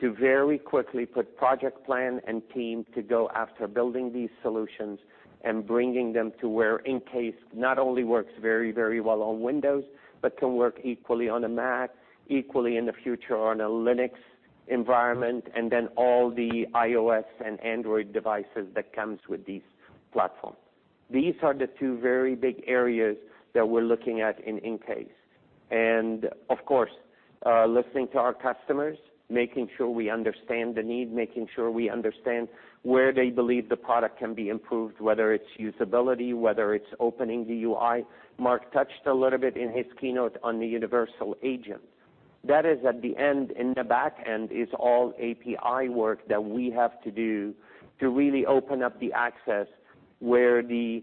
to very quickly put project plan and team to go after building these solutions and bringing them to where EnCase not only works very well on Windows, but can work equally on a Mac, equally in the future on a Linux environment, and then all the iOS and Android devices that comes with these platforms. These are the two very big areas that we're looking at in EnCase. Of course, listening to our customers, making sure we understand the need, making sure we understand where they believe the product can be improved, whether it's usability, whether it's opening the UI. Mark touched a little bit in his keynote on the universal agent. That is at the end, in the back end is all API work that we have to do to really open up the access where the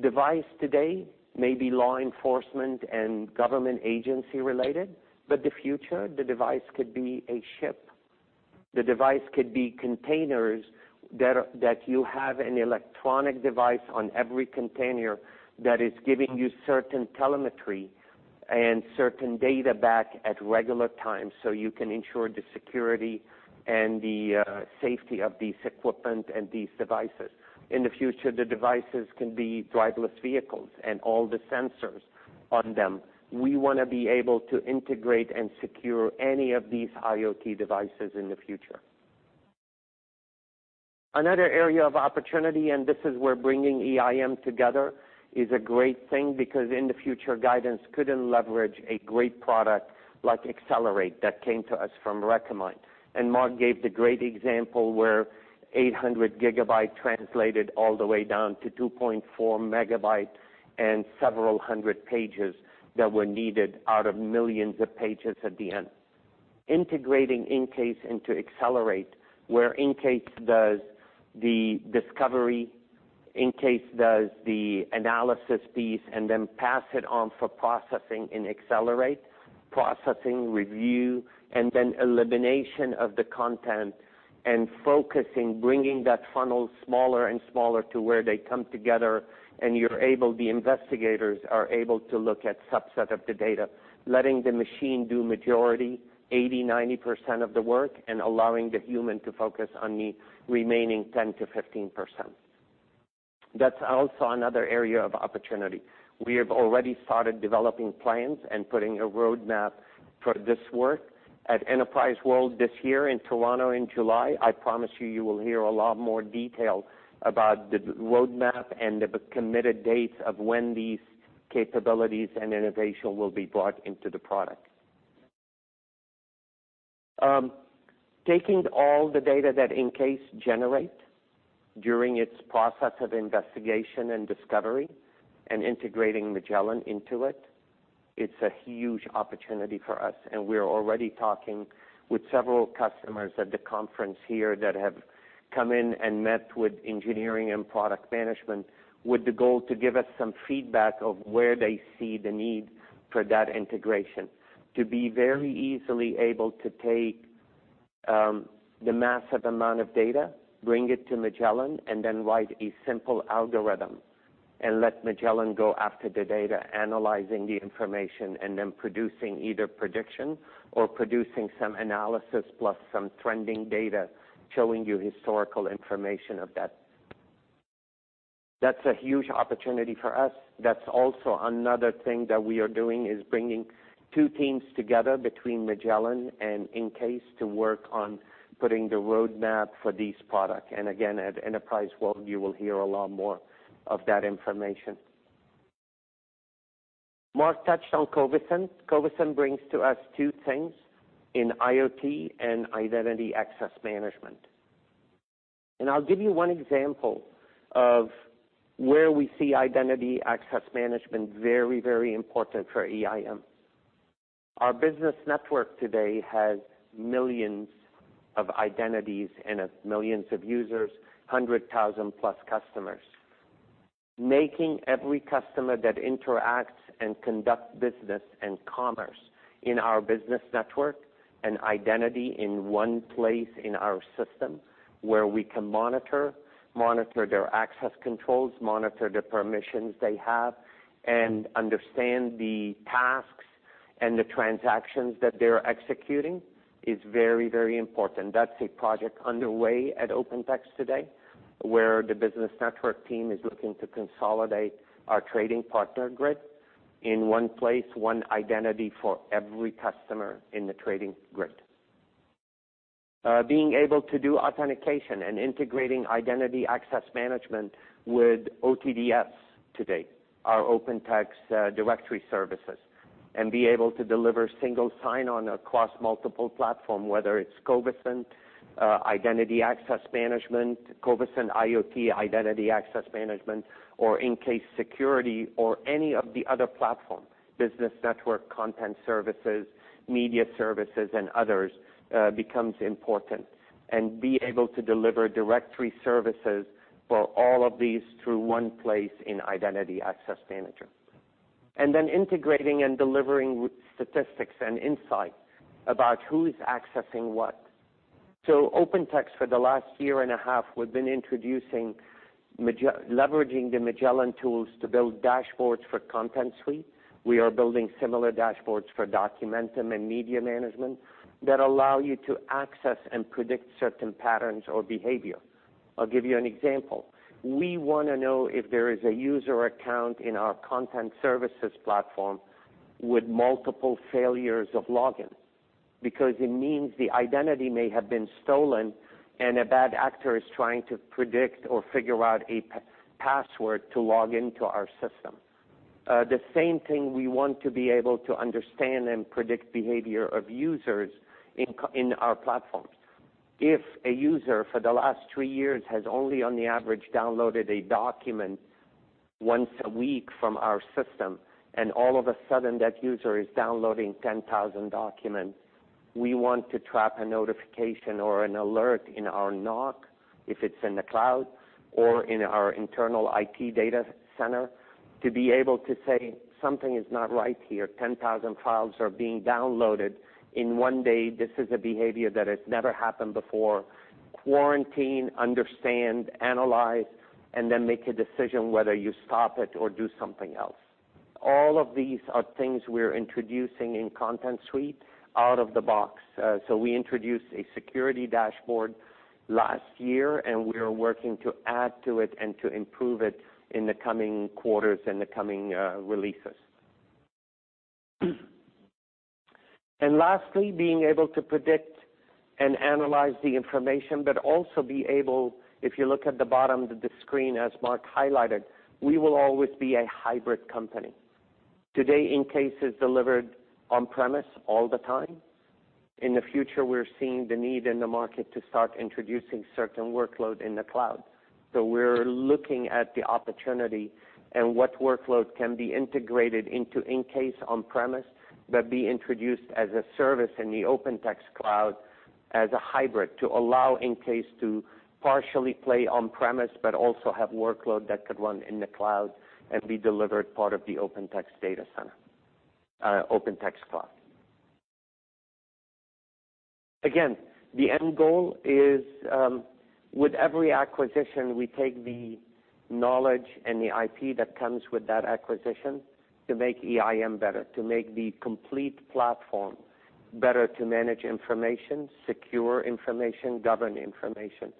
device today may be law enforcement and government agency related, but the future, the device could be a ship. The device could be containers that you have an electronic device on every container that is giving you certain telemetry and certain data back at regular times so you can ensure the security and the safety of these equipment and these devices. In the future, the devices can be driverless vehicles and all the sensors on them. We want to be able to integrate and secure any of these IoT devices in the future. Another area of opportunity, this is where bringing EIM together is a great thing because in the future, Guidance couldn't leverage a great product like Axcelerate that came to us from Recommind. Mark gave the great example where 800 GB translated all the way down to 2.4 MB and several hundred pages that were needed out of millions of pages at the end. Integrating EnCase into Axcelerate, where EnCase does the discovery, EnCase does the analysis piece, then pass it on for processing in Axcelerate, processing, review, and then elimination of the content and focusing, bringing that funnel smaller and smaller to where they come together and the investigators are able to look at subset of the data, letting the machine do majority, 80%-90% of the work and allowing the human to focus on the remaining 10%-15%. That's also another area of opportunity. We have already started developing plans and putting a roadmap for this work at OpenText World this year in Toronto in July. I promise you will hear a lot more detail about the roadmap and the committed dates of when these capabilities and innovation will be brought into the product. Taking all the data that EnCase generate during its process of investigation and discovery and integrating Magellan into it's a huge opportunity for us, we're already talking with several customers at the conference here that have come in and met with engineering and product management with the goal to give us some feedback of where they see the need for that integration. To be very easily able to take the massive amount of data, bring it to Magellan, then write a simple algorithm and let Magellan go after the data, analyzing the information, then producing either prediction or producing some analysis plus some trending data showing you historical information of that. That's a huge opportunity for us. That's also another thing that we are doing is bringing two teams together between Magellan and EnCase to work on putting the roadmap for this product. Again, at OpenText World, you will hear a lot more of that information. Mark touched on Covisint. Covisint brings to us two things in IoT and identity access management. I'll give you one example of where we see identity access management very important for EIM. Our business network today has millions of identities and millions of users, 100,000+ customers. Making every customer that interacts and conduct business and commerce in our business network an identity in one place in our system where we can monitor their access controls, monitor the permissions they have, understand the tasks and the transactions that they're executing is very important. That's a project underway at OpenText today, where the business network team is looking to consolidate our trading partner grid in one place, one identity for every customer in the trading grid. Being able to do authentication and integrating Identity Access Manager with OTDS today, our OpenText Directory Services, be able to deliver single sign-on across multiple platform, whether it's Covisint, Identity Access Manager, Covisint IoT, Identity Access Manager, or EnCase security, or any of the other platform, business network, content services, media services, and others becomes important. Be able to deliver directory services for all of these through one place in Identity Access Manager. Integrating and delivering statistics and insight about who's accessing what. OpenText, for the last year and a half, we've been introducing, leveraging the Magellan tools to build dashboards for Content Suite. We are building similar dashboards for Documentum and media management that allow you to access and predict certain patterns or behavior. I'll give you an example. We want to know if there is a user account in our content services platform with multiple failures of login, because it means the identity may have been stolen and a bad actor is trying to predict or figure out a password to log into our system. The same thing, we want to be able to understand and predict behavior of users in our platforms. If a user, for the last three years, has only on the average downloaded a document once a week from our system, and all of a sudden that user is downloading 10,000 documents, we want to trap a notification or an alert in our NOC if it's in the cloud or in our internal IT data center to be able to say, "Something is not right here. 10,000 files are being downloaded in one day. This is a behavior that has never happened before." Quarantine, understand, analyze, and then make a decision whether you stop it or do something else. All of these are things we're introducing in Content Suite out of the box. We introduced a security dashboard last year, and we are working to add to it and to improve it in the coming quarters and the coming releases. Lastly, being able to predict and analyze the information, but also be able, if you look at the bottom of the screen, as Mark highlighted, we will always be a hybrid company. Today, EnCase is delivered on premise all the time. In the future, we're seeing the need in the market to start introducing certain workload in the cloud. We're looking at the opportunity and what workload can be integrated into EnCase on premise, but be introduced as a service in the OpenText Cloud as a hybrid to allow EnCase to partially play on premise, but also have workload that could run in the cloud and be delivered part of the OpenText Cloud. Again, the end goal is, with every acquisition, we take the knowledge and the IP that comes with that acquisition to make EIM better, to make the complete platform better to manage information, secure information, govern information.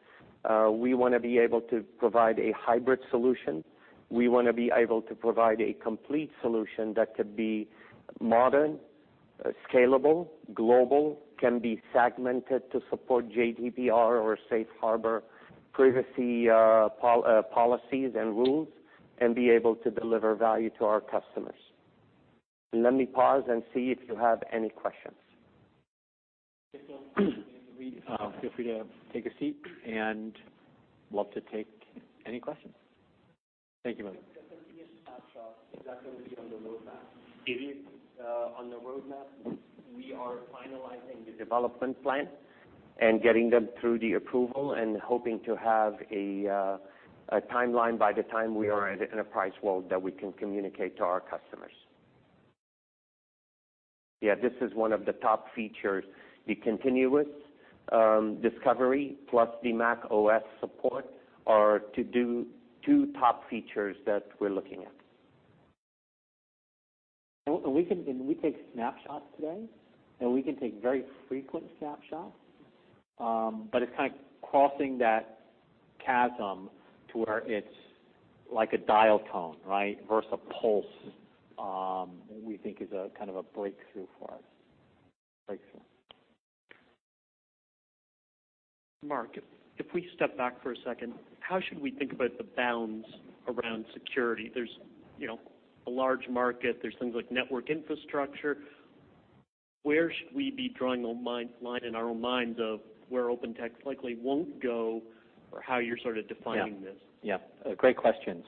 We want to be able to provide a hybrid solution. We want to be able to provide a complete solution that could be modern, scalable, global, can be segmented to support GDPR or Safe Harbor privacy policies and rules, and be able to deliver value to our customers. Let me pause and see if you have any questions. Feel free to take a seat, and love to take any questions. Thank you, Mark. The continuous snapshot, is that going to be on the roadmap? It is on the roadmap. We are finalizing the development plan and getting them through the approval and hoping to have a timeline by the time we are at OpenText World that we can communicate to our customers. Yeah, this is one of the top features. The continuous discovery plus the macOS support are two top features that we're looking at. We can take snapshots today, and we can take very frequent snapshots, but it's kind of crossing that chasm to where it's like a dial tone versus a pulse, we think is a kind of a breakthrough for us. Breakthrough. Mark, if we step back for a second, how should we think about the bounds around security? There's a large market. There's things like network infrastructure. Where should we be drawing a line in our own minds of where OpenText likely won't go or how you're sort of defining this? Yeah. Great question.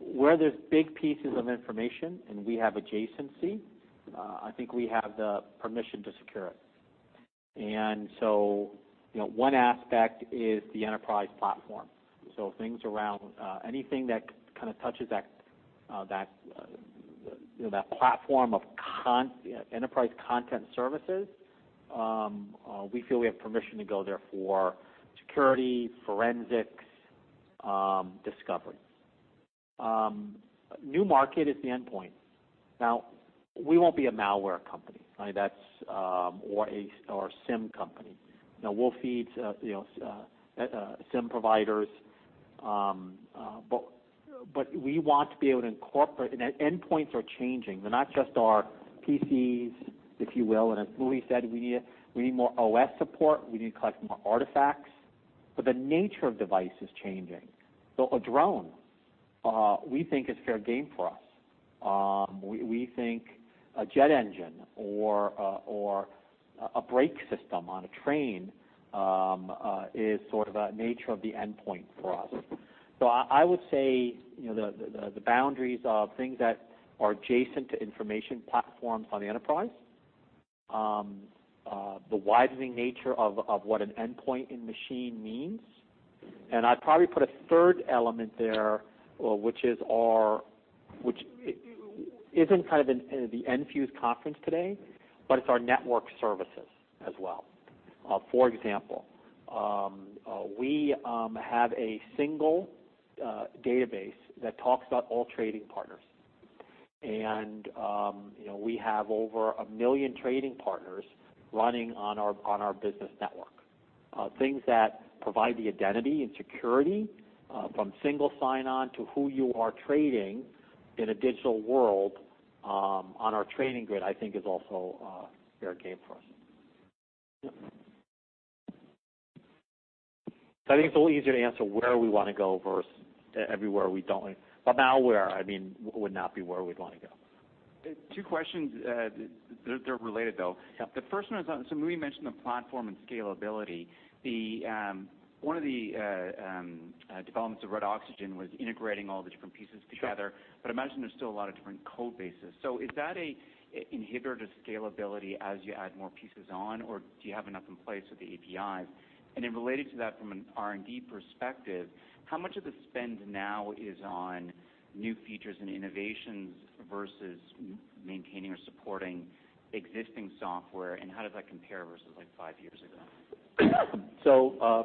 Where there's big pieces of information and we have adjacency, I think we have the permission to secure it. One aspect is the enterprise platform. Things around anything that kind of touches that platform of enterprise content services, we feel we have permission to go there for security, forensics, discovery. New market is the endpoint. We won't be a malware company, or a SIEM company. We'll feed SIEM providers, but we want to be able to incorporate. Endpoints are changing. They're not just our PCs, if you will. As Muhi said, we need more OS support. We need to collect more artifacts. The nature of device is changing. A drone we think is fair game for us. We think a jet engine or a brake system on a train is sort of a nature of the endpoint for us. I would say the boundaries of things that are adjacent to information platforms on the enterprise. The widening nature of what an endpoint in machine means. I'd probably put a third element there, which is in the Enfuse conference today, but it's our network services as well. For example, we have a single database that talks about all trading partners. We have over a million trading partners running on our business network. Things that provide the identity and security, from single sign-on to who you are trading in a digital world, on our Trading Grid, I think is also fair game for us. Yeah. I think it's a little easier to answer where we want to go versus everywhere we don't want. Malware would not be where we'd want to go. Two questions. They're related, though. Yeah. The first one is on, so Muhi mentioned the platform and scalability. One of the developments of Project Red Oxygen was integrating all the different pieces together. Sure. I imagine there's still a lot of different code bases. Is that a inhibitor to scalability as you add more pieces on, or do you have enough in place with the APIs? Then related to that from an R&D perspective, how much of the spend now is on new features and innovations versus maintaining or supporting existing software, and how does that compare versus like five years ago?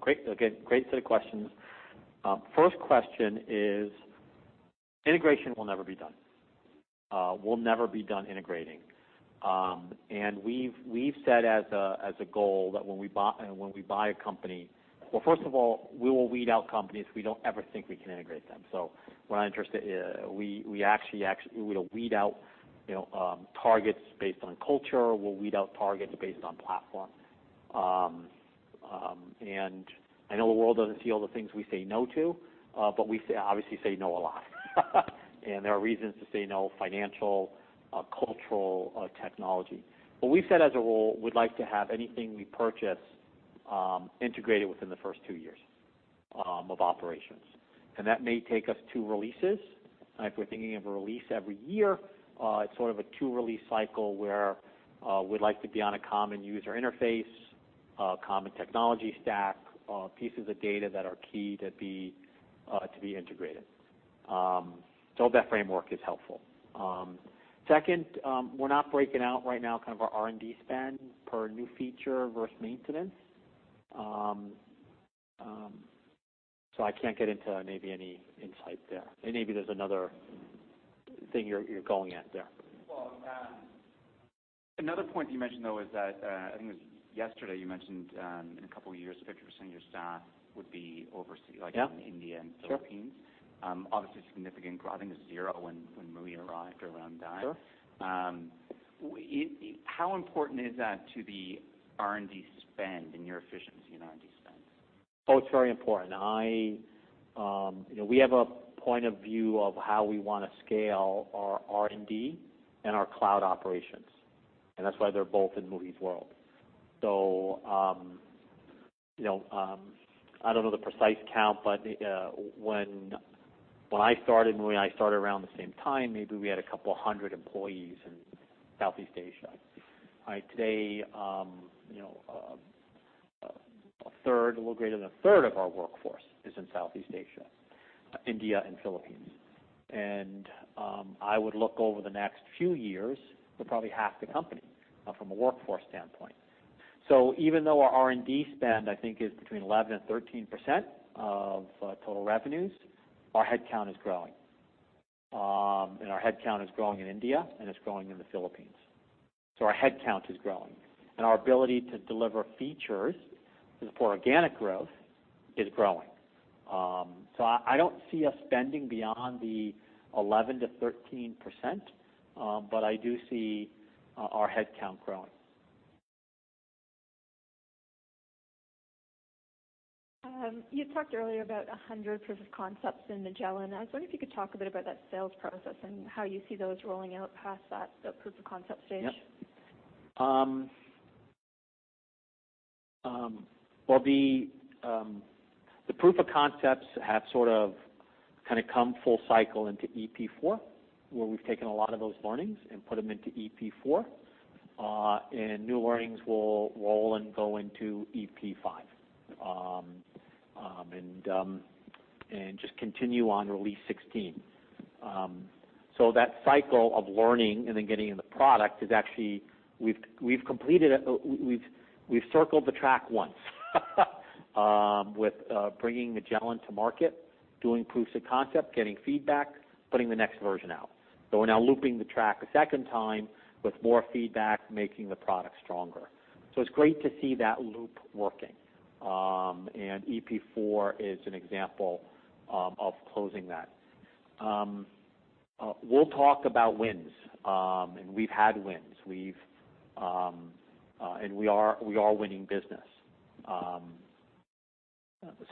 Great set of questions. First question is, integration will never be done. We'll never be done integrating. We've set as a goal that when we buy a company Well, first of all, we will weed out companies if we don't ever think we can integrate them. We're not interested We actually will weed out targets based on culture, we'll weed out targets based on platform. I know the world doesn't see all the things we say no to, but we obviously say no a lot. There are reasons to say no, financial, cultural, technology. We've said as a rule, we'd like to have anything we purchase integrated within the first two years of operations. That may take us two releases. If we're thinking of a release every year, it's sort of a two-release cycle where we'd like to be on a common user interface, a common technology stack, pieces of data that are key to be integrated. That framework is helpful. Second, we're not breaking out right now our R&D spend per new feature versus maintenance. I can't get into maybe any insight there. Maybe there's another thing you're going at there. Well, another point that you mentioned, though, is that, I think it was yesterday, you mentioned, in a couple of years, 50% of your staff would be overseas- Yeah like in India and Philippines. Sure. Obviously significant, growing to zero when Muhi arrived, around that. Sure. How important is that to the R&D spend and your efficiency in R&D spend? It's very important. We have a point of view of how we want to scale our R&D and our cloud operations, and that's why they're both in Muhi's world. I don't know the precise count, but when I started, Muhi and I started around the same time, maybe we had 200 employees in Southeast Asia. Today, a little greater than a third of our workforce is in Southeast Asia, India, and Philippines. I would look over the next few years to probably half the company from a workforce standpoint. Even though our R&D spend, I think, is between 11%-13% of total revenues, our headcount is growing. Our headcount is growing in India, and it's growing in the Philippines. Our headcount is growing. Our ability to deliver features for organic growth is growing. I don't see us spending beyond the 11%-13%, but I do see our headcount growing. You talked earlier about 100 proof of concepts in Magellan. I was wondering if you could talk a bit about that sales process and how you see those rolling out past that proof of concept stage. Well, the proof of concepts have sort of come full cycle into EP4, where we've taken a lot of those learnings and put them into EP4. New learnings will roll and go into EP5, and just continue on Release 16. That cycle of learning and then getting in the product is actually, we've circled the track once with bringing Magellan to market, doing proofs of concept, getting feedback, putting the next version out. We're now looping the track a second time with more feedback, making the product stronger. It's great to see that loop working. EP4 is an example of closing that. We'll talk about wins, and we've had wins. We are winning business.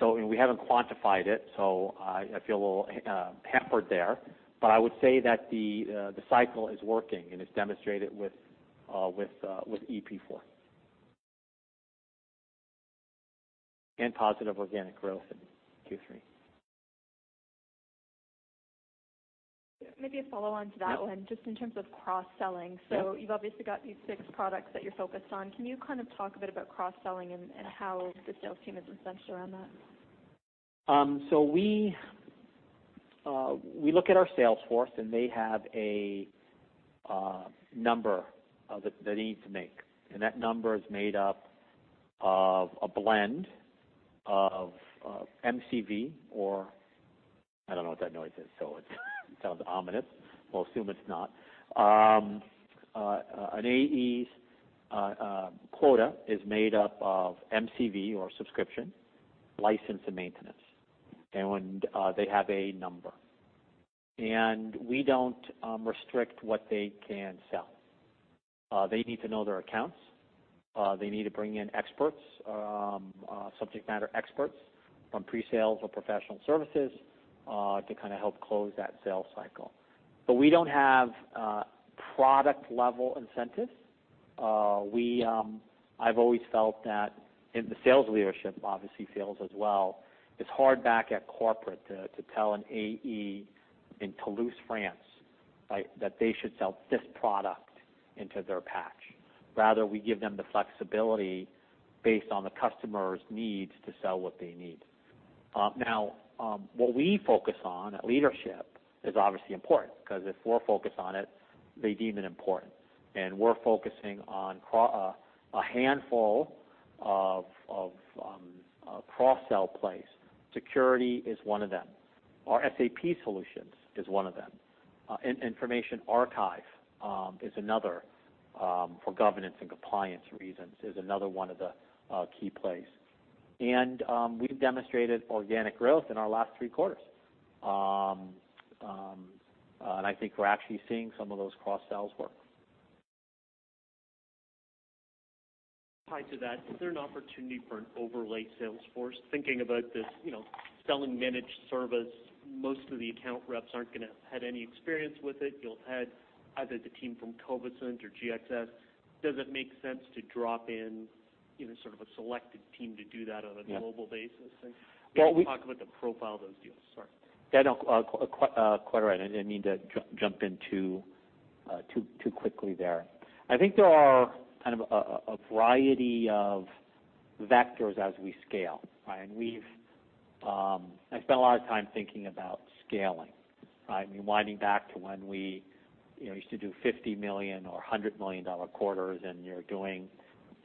We haven't quantified it, so I feel a little hampered there. I would say that the cycle is working, and it's demonstrated with EP4. Positive organic growth in Q3. Maybe a follow-on to that one, just in terms of cross-selling. Yeah. You've obviously got these six products that you're focused on. Can you kind of talk a bit about cross-selling and how the sales team is incented around that? We look at our sales force, and they have a number that they need to make, that number is made up of a blend of MCV or I don't know what that noise is, it sounds ominous. We'll assume it's not. An AE's quota is made up of MCV or subscription, license, and maintenance. They have a number. We don't restrict what they can sell. They need to know their accounts. They need to bring in experts, subject matter experts from pre-sales or professional services, to kind of help close that sales cycle. We don't have product-level incentives. I've always felt that in the sales leadership, obviously sales as well, it's hard back at corporate to tell an AE in Toulouse, France that they should sell this product into their patch. Rather, we give them the flexibility based on the customer's needs to sell what they need. Now, what we focus on at leadership is obviously important because if we're focused on it, they deem it important. We're focusing on a handful of cross-sell plays. Security is one of them. Our SAP solutions is one of them. Information archive is another, for governance and compliance reasons, is another one of the key plays. We've demonstrated organic growth in our last three quarters. I think we're actually seeing some of those cross-sells work. Tie to that, is there an opportunity for an overlay sales force? Thinking about this, selling managed service, most of the account reps aren't going to have had any experience with it. You'll add either the team from Covisint or GXS. Does it make sense to drop in sort of a selected team to do that on a global basis? Yeah. Well. Talk about the profile of those deals. Sorry. Yeah, no. Quite all right. I didn't mean to jump in too quickly there. I think there are kind of a variety of vectors as we scale. I spent a lot of time thinking about scaling, right? I mean, winding back to when we used to do $50 million or $100 million quarters, and you're doing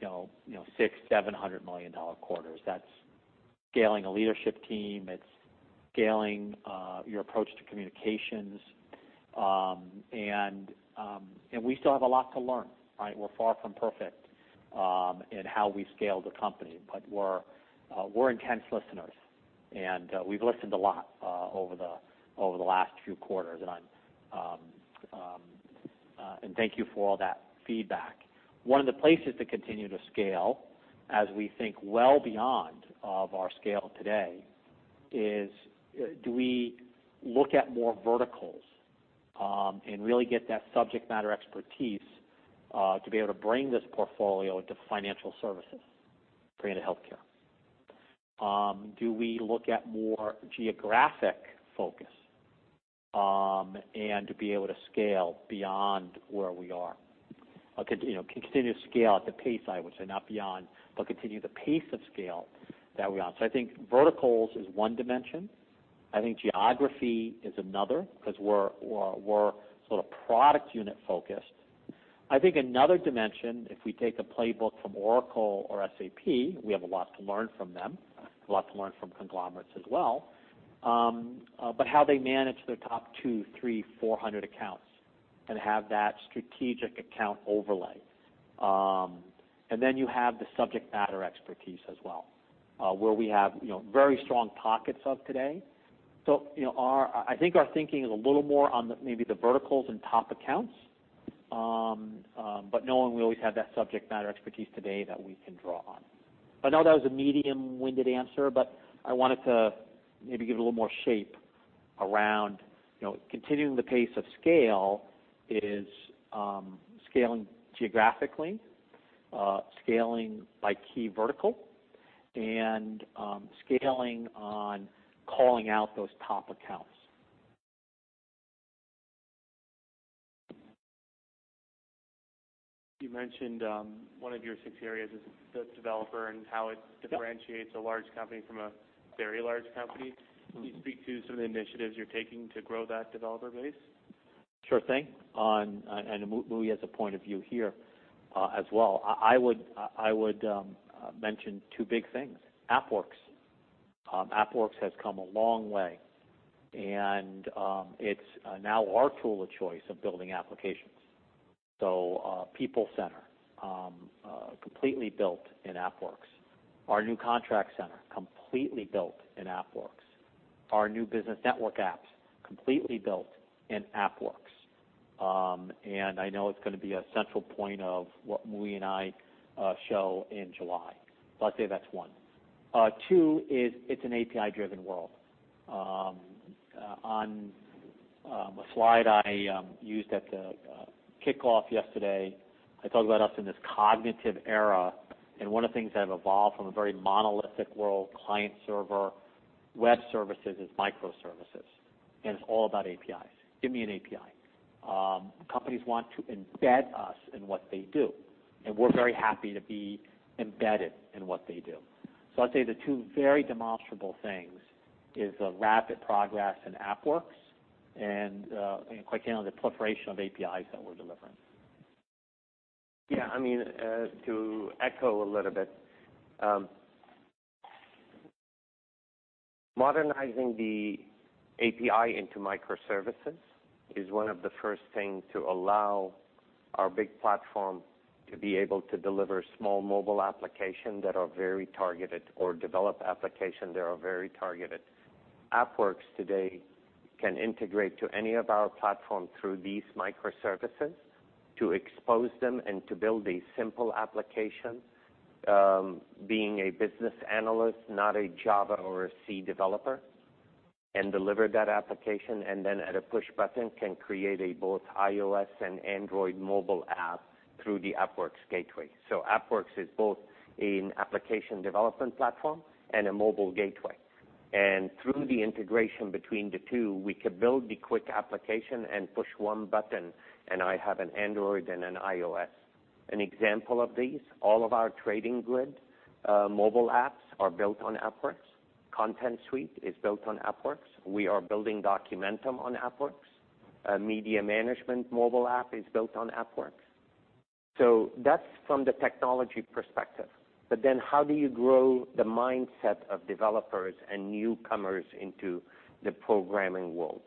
$600 million, $700 million quarters. That's scaling a leadership team. It's scaling your approach to communications. We still have a lot to learn, right? We're far from perfect in how we scale the company. We're intense listeners, and we've listened a lot over the last few quarters, and thank you for all that feedback. One of the places to continue to scale, as we think well beyond of our scale today, is do we look at more verticals and really get that subject matter expertise to be able to bring this portfolio to financial services, bring it to healthcare? Do we look at more geographic focus and to be able to scale beyond where we are? Continue to scale at the pace I would say, not beyond, but continue the pace of scale that we are. I think verticals is one dimension. I think geography is another, because we're sort of product unit-focused. I think another dimension, if we take a playbook from Oracle or SAP, we have a lot to learn from them, a lot to learn from conglomerates as well, how they manage their top 200, 300, 400 accounts and have that strategic account overlay. You have the subject matter expertise as well, where we have very strong pockets of today. I think our thinking is a little more on maybe the verticals and top accounts, knowing we always have that subject matter expertise today that we can draw on. I know that was a medium-winded answer, I wanted to maybe give it a little more shape around continuing the pace of scale is scaling geographically, scaling by key vertical, and scaling on calling out those top accounts. You mentioned one of your six areas is the developer and how it differentiates- Yeah a large company from a very large company. Can you speak to some of the initiatives you're taking to grow that developer base? Sure thing. Muhi has a point of view here as well. I would mention two big things. AppWorks. AppWorks has come a long way, and it's now our tool of choice of building applications. People Center, completely built in AppWorks. Our new contract center, completely built in AppWorks. Our new business network apps, completely built in AppWorks. I know it's going to be a central point of what Muhi and I show in July. I'd say that's one. Two is it's an API-driven world. On a slide I used at the kickoff yesterday, I talked about us in this cognitive era. One of the things that have evolved from a very monolithic world, client server, web services is microservices, and it's all about APIs. Give me an API. Companies want to embed us in what they do, and we're very happy to be embedded in what they do. I'd say the two very demonstrable things is the rapid progress in AppWorks and quite clearly the proliferation of APIs that we're delivering. Yeah, to echo a little bit. Modernizing the API into microservices is one of the first things to allow our big platform to be able to deliver small mobile application that are very targeted, or develop application that are very targeted. AppWorks today can integrate to any of our platform through these microservices to expose them and to build a simple application, being a business analyst, not a Java or a C developer, and deliver that application, and then at a push button, can create a both iOS and Android mobile app through the AppWorks gateway. AppWorks is both an application development platform and a mobile gateway. Through the integration between the two, we could build the quick application and push one button, and I have an Android and an iOS. An example of these, all of our Trading Grid mobile apps are built on AppWorks. Content Suite is built on AppWorks. We are building Documentum on AppWorks. Media Management mobile app is built on AppWorks. That's from the technology perspective. How do you grow the mindset of developers and newcomers into the programming world?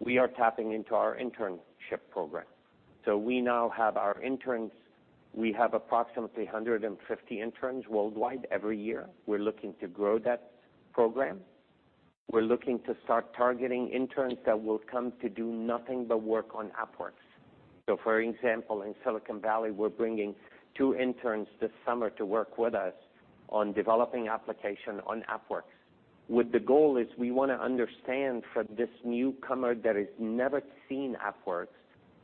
We are tapping into our internship program. We now have our interns. We have approximately 150 interns worldwide every year. We're looking to grow that program. We're looking to start targeting interns that will come to do nothing but work on AppWorks. For example, in Silicon Valley, we're bringing two interns this summer to work with us on developing application on AppWorks. With the goal is we want to understand for this newcomer that has never seen AppWorks,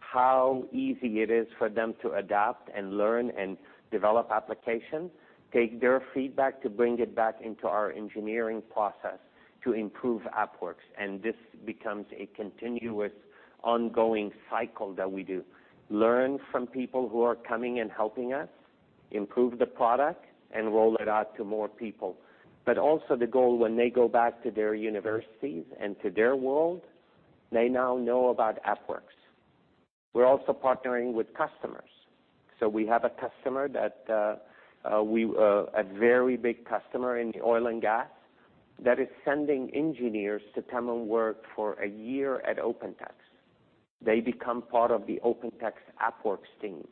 how easy it is for them to adapt and learn and develop application, take their feedback to bring it back into our engineering process to improve AppWorks. This becomes a continuous ongoing cycle that we do. Learn from people who are coming and helping us improve the product and roll it out to more people. Also the goal when they go back to their universities and to their world, they now know about AppWorks. We're also partnering with customers. We have a very big customer in the oil and gas that is sending engineers to come and work for a year at OpenText. They become part of the OpenText AppWorks team.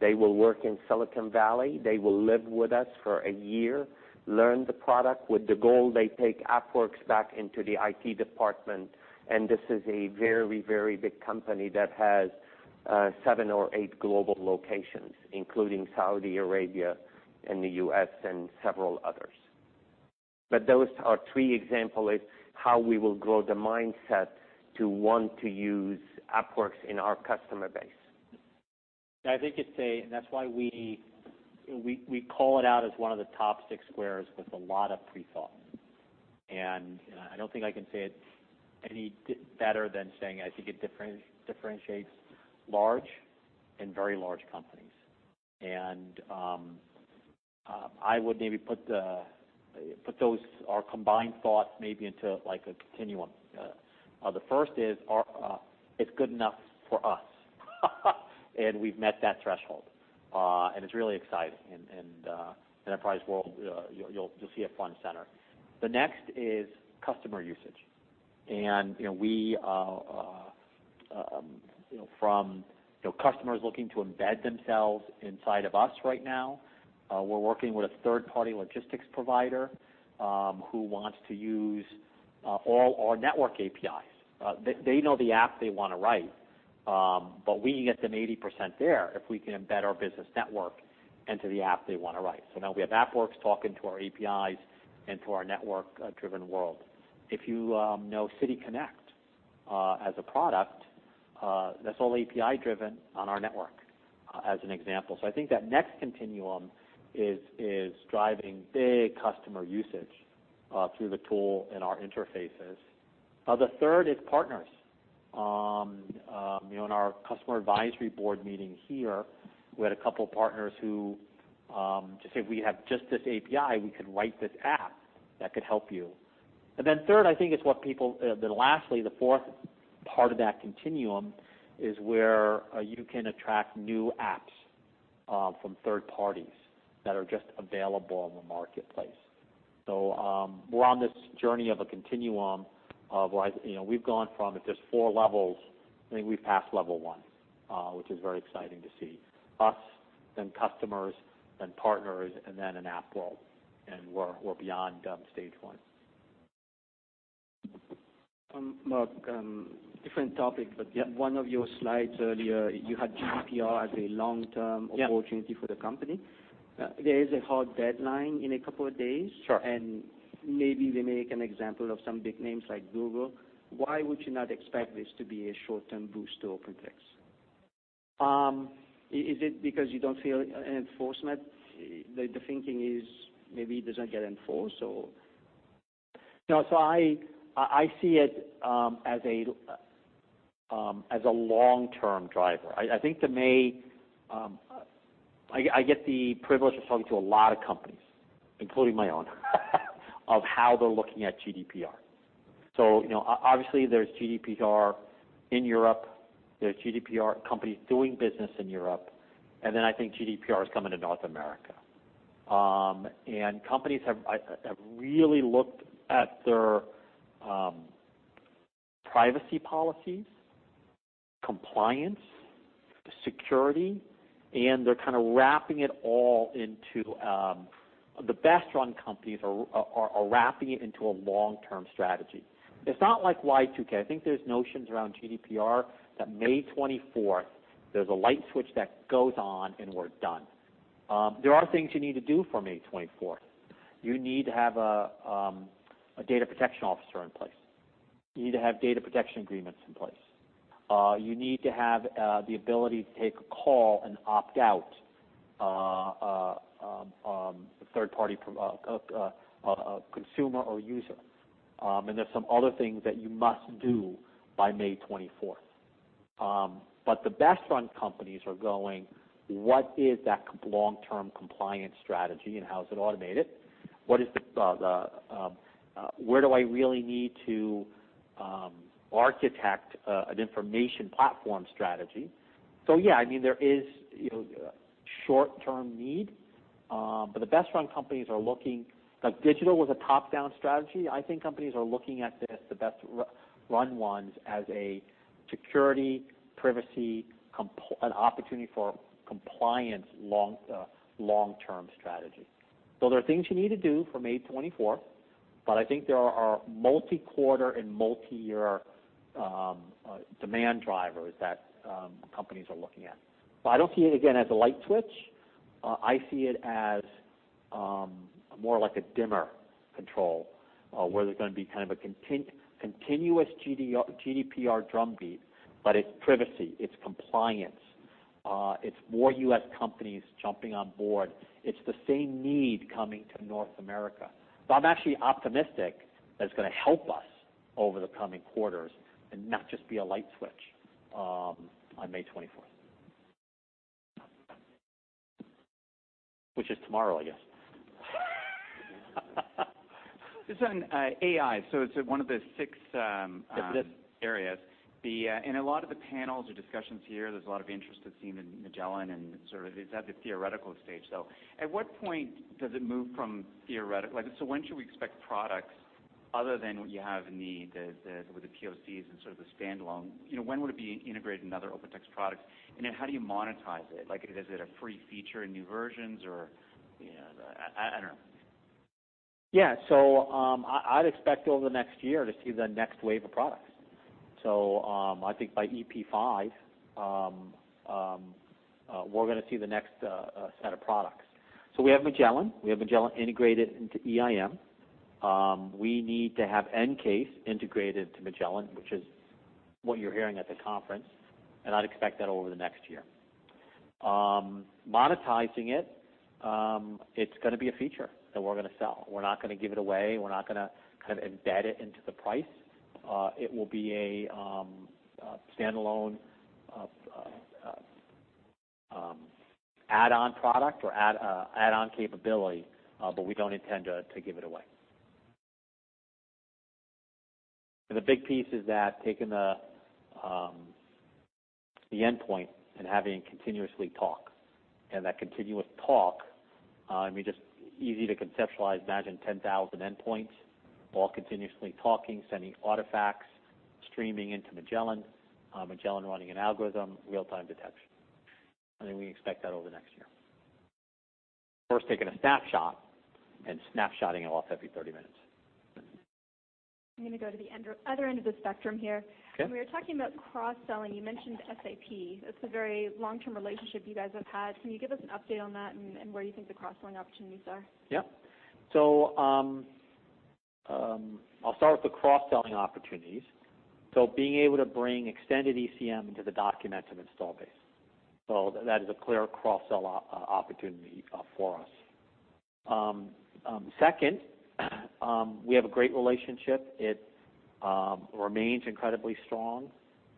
They will work in Silicon Valley. They will live with us for a year, learn the product with the goal they take AppWorks back into the IT department, and this is a very big company that has seven or eight global locations, including Saudi Arabia and the U.S. and several others. Those are three example is how we will grow the mindset to want to use AppWorks in our customer base. That's why we call it out as one of the top six squares with a lot of pre-thought. I don't think I can say it any better than saying I think it differentiates large and very large companies. I would maybe put those, our combined thoughts maybe into a continuum. The first is, it's good enough for us. We've met that threshold. It's really exciting and enterprise world, you'll see it front and center. The next is customer usage. We, from customers looking to embed themselves inside of us right now, we're working with a third-party logistics provider, who wants to use all our network APIs. They know the app they want to write, but we can get them 80% there if we can embed our business network into the app they want to write. Now we have AppWorks talking to our APIs and to our network-driven world. If you know City Connect, as a product, that's all API-driven on our network, as an example. I think that next continuum is driving big customer usage, through the tool and our interfaces. The third is partners. In our customer advisory board meeting here, we had a couple partners who just said, "We have just this API, we could write this app that could help you." Lastly, the fourth part of that continuum is where you can attract new apps from third parties that are just available on the marketplace. We're on this journey of a continuum of we've gone from, if there's 4 levels, I think we've passed level 1, which is very exciting to see. Us, then customers, then partners, and then an app world, we're beyond stage 1. Mark Different topic. Yeah One of your slides earlier, you had GDPR as a long-term opportunity for the company. Yeah. There is a hard deadline in a couple of days. Sure. Maybe we make an example of some big names like Google. Why would you not expect this to be a short-term boost to OpenText? Is it because you don't feel enforcement? The thinking is maybe it doesn't get enforced. No. I see it as a long-term driver. I get the privilege of talking to a lot of companies, including my own, of how they're looking at GDPR. Obviously there's GDPR in Europe, there's GDPR companies doing business in Europe, and then I think GDPR is coming to North America. Companies have really looked at their privacy policies, compliance, security, and the best run companies are wrapping it into a long-term strategy. It's not like Y2K. I think there's notions around GDPR that May 24th there's a light switch that goes on, and we're done. There are things you need to do for May 24th. You need to have a data protection officer in place. You need to have data protection agreements in place. You need to have the ability to take a call and opt out a third-party consumer or user. There's some other things that you must do by May 24th. The best run companies are going, "What is that long-term compliance strategy, and how is it automated? Where do I really need to architect an information platform strategy?" Yeah, there is a short-term need. The best run companies are looking Like digital was a top-down strategy, I think companies are looking at this, the best run ones, as a security, privacy, an opportunity for compliance long-term strategy. There are things you need to do for May 24th, but I think there are multi-quarter and multi-year demand drivers that companies are looking at. I don't see it, again, as a light switch. I see it as more like a dimmer control, where there's going to be kind of a continuous GDPR drumbeat, but it's privacy, it's compliance, it's more U.S. companies jumping on board. It's the same need coming to North America. I'm actually optimistic that it's going to help us over the coming quarters and not just be a light switch on May 24th. Which is tomorrow, I guess. Just on AI, it's one of the six- Yep areas. In a lot of the panels or discussions here, there's a lot of interest it seemed, in Magellan, and sort of it's at the theoretical stage still. At what point does it move from theoretical when should we expect products other than what you have with the POCs and sort of the standalone? When would it be integrated in other OpenText products, how do you monetize it? Is it a free feature in new versions or, I don't know. Yeah. I'd expect over the next year to see the next wave of products. I think by EP5, we're going to see the next set of products. We have Magellan. We have Magellan integrated into EIM. We need to have EnCase integrated to Magellan, which is what you're hearing at the conference, I'd expect that over the next year. Monetizing it's going to be a feature that we're going to sell. We're not going to give it away. We're not going to embed it into the price. It will be a standalone add-on product or add-on capability, we don't intend to give it away. The big piece is that taking the endpoint and having it continuously talk, that continuous talk, just easy to conceptualize. Imagine 10,000 endpoints all continuously talking, sending artifacts, streaming into Magellan running an algorithm, real-time detection. We expect that over the next year. First taking a snapshot, then snapshotting it once every 30 minutes. I'm going to go to the other end of the spectrum here. Okay. When we were talking about cross-selling, you mentioned SAP. It's a very long-term relationship you guys have had. Can you give us an update on that and where you think the cross-selling opportunities are? Yeah. I'll start with the cross-selling opportunities. Being able to bring Extended ECM into the Documentum install base. That is a clear cross-sell opportunity for us. Second, we have a great relationship. It remains incredibly strong,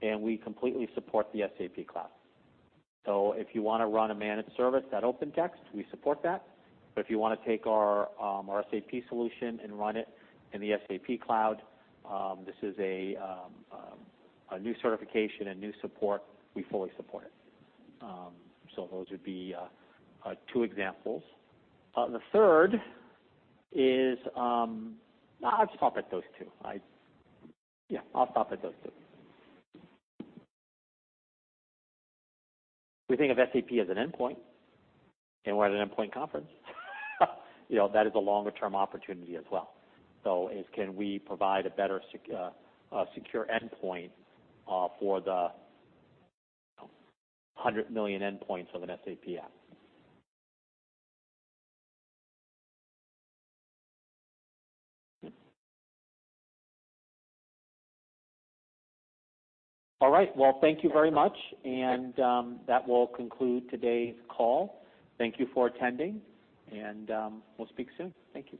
and we completely support the SAP cloud. If you want to run a managed service at OpenText, we support that. If you want to take our SAP solution and run it in the SAP cloud, this is a new certification, a new support. We fully support it. Those would be two examples. The third is I'll just stop at those two. Yeah, I'll stop at those two. We think of SAP as an endpoint, and we're at an endpoint conference. That is a longer-term opportunity as well. It's can we provide a better secure endpoint for the 100 million endpoints of an SAP app. All right. Well, thank you very much. That will conclude today's call. Thank you for attending, and we'll speak soon. Thank you.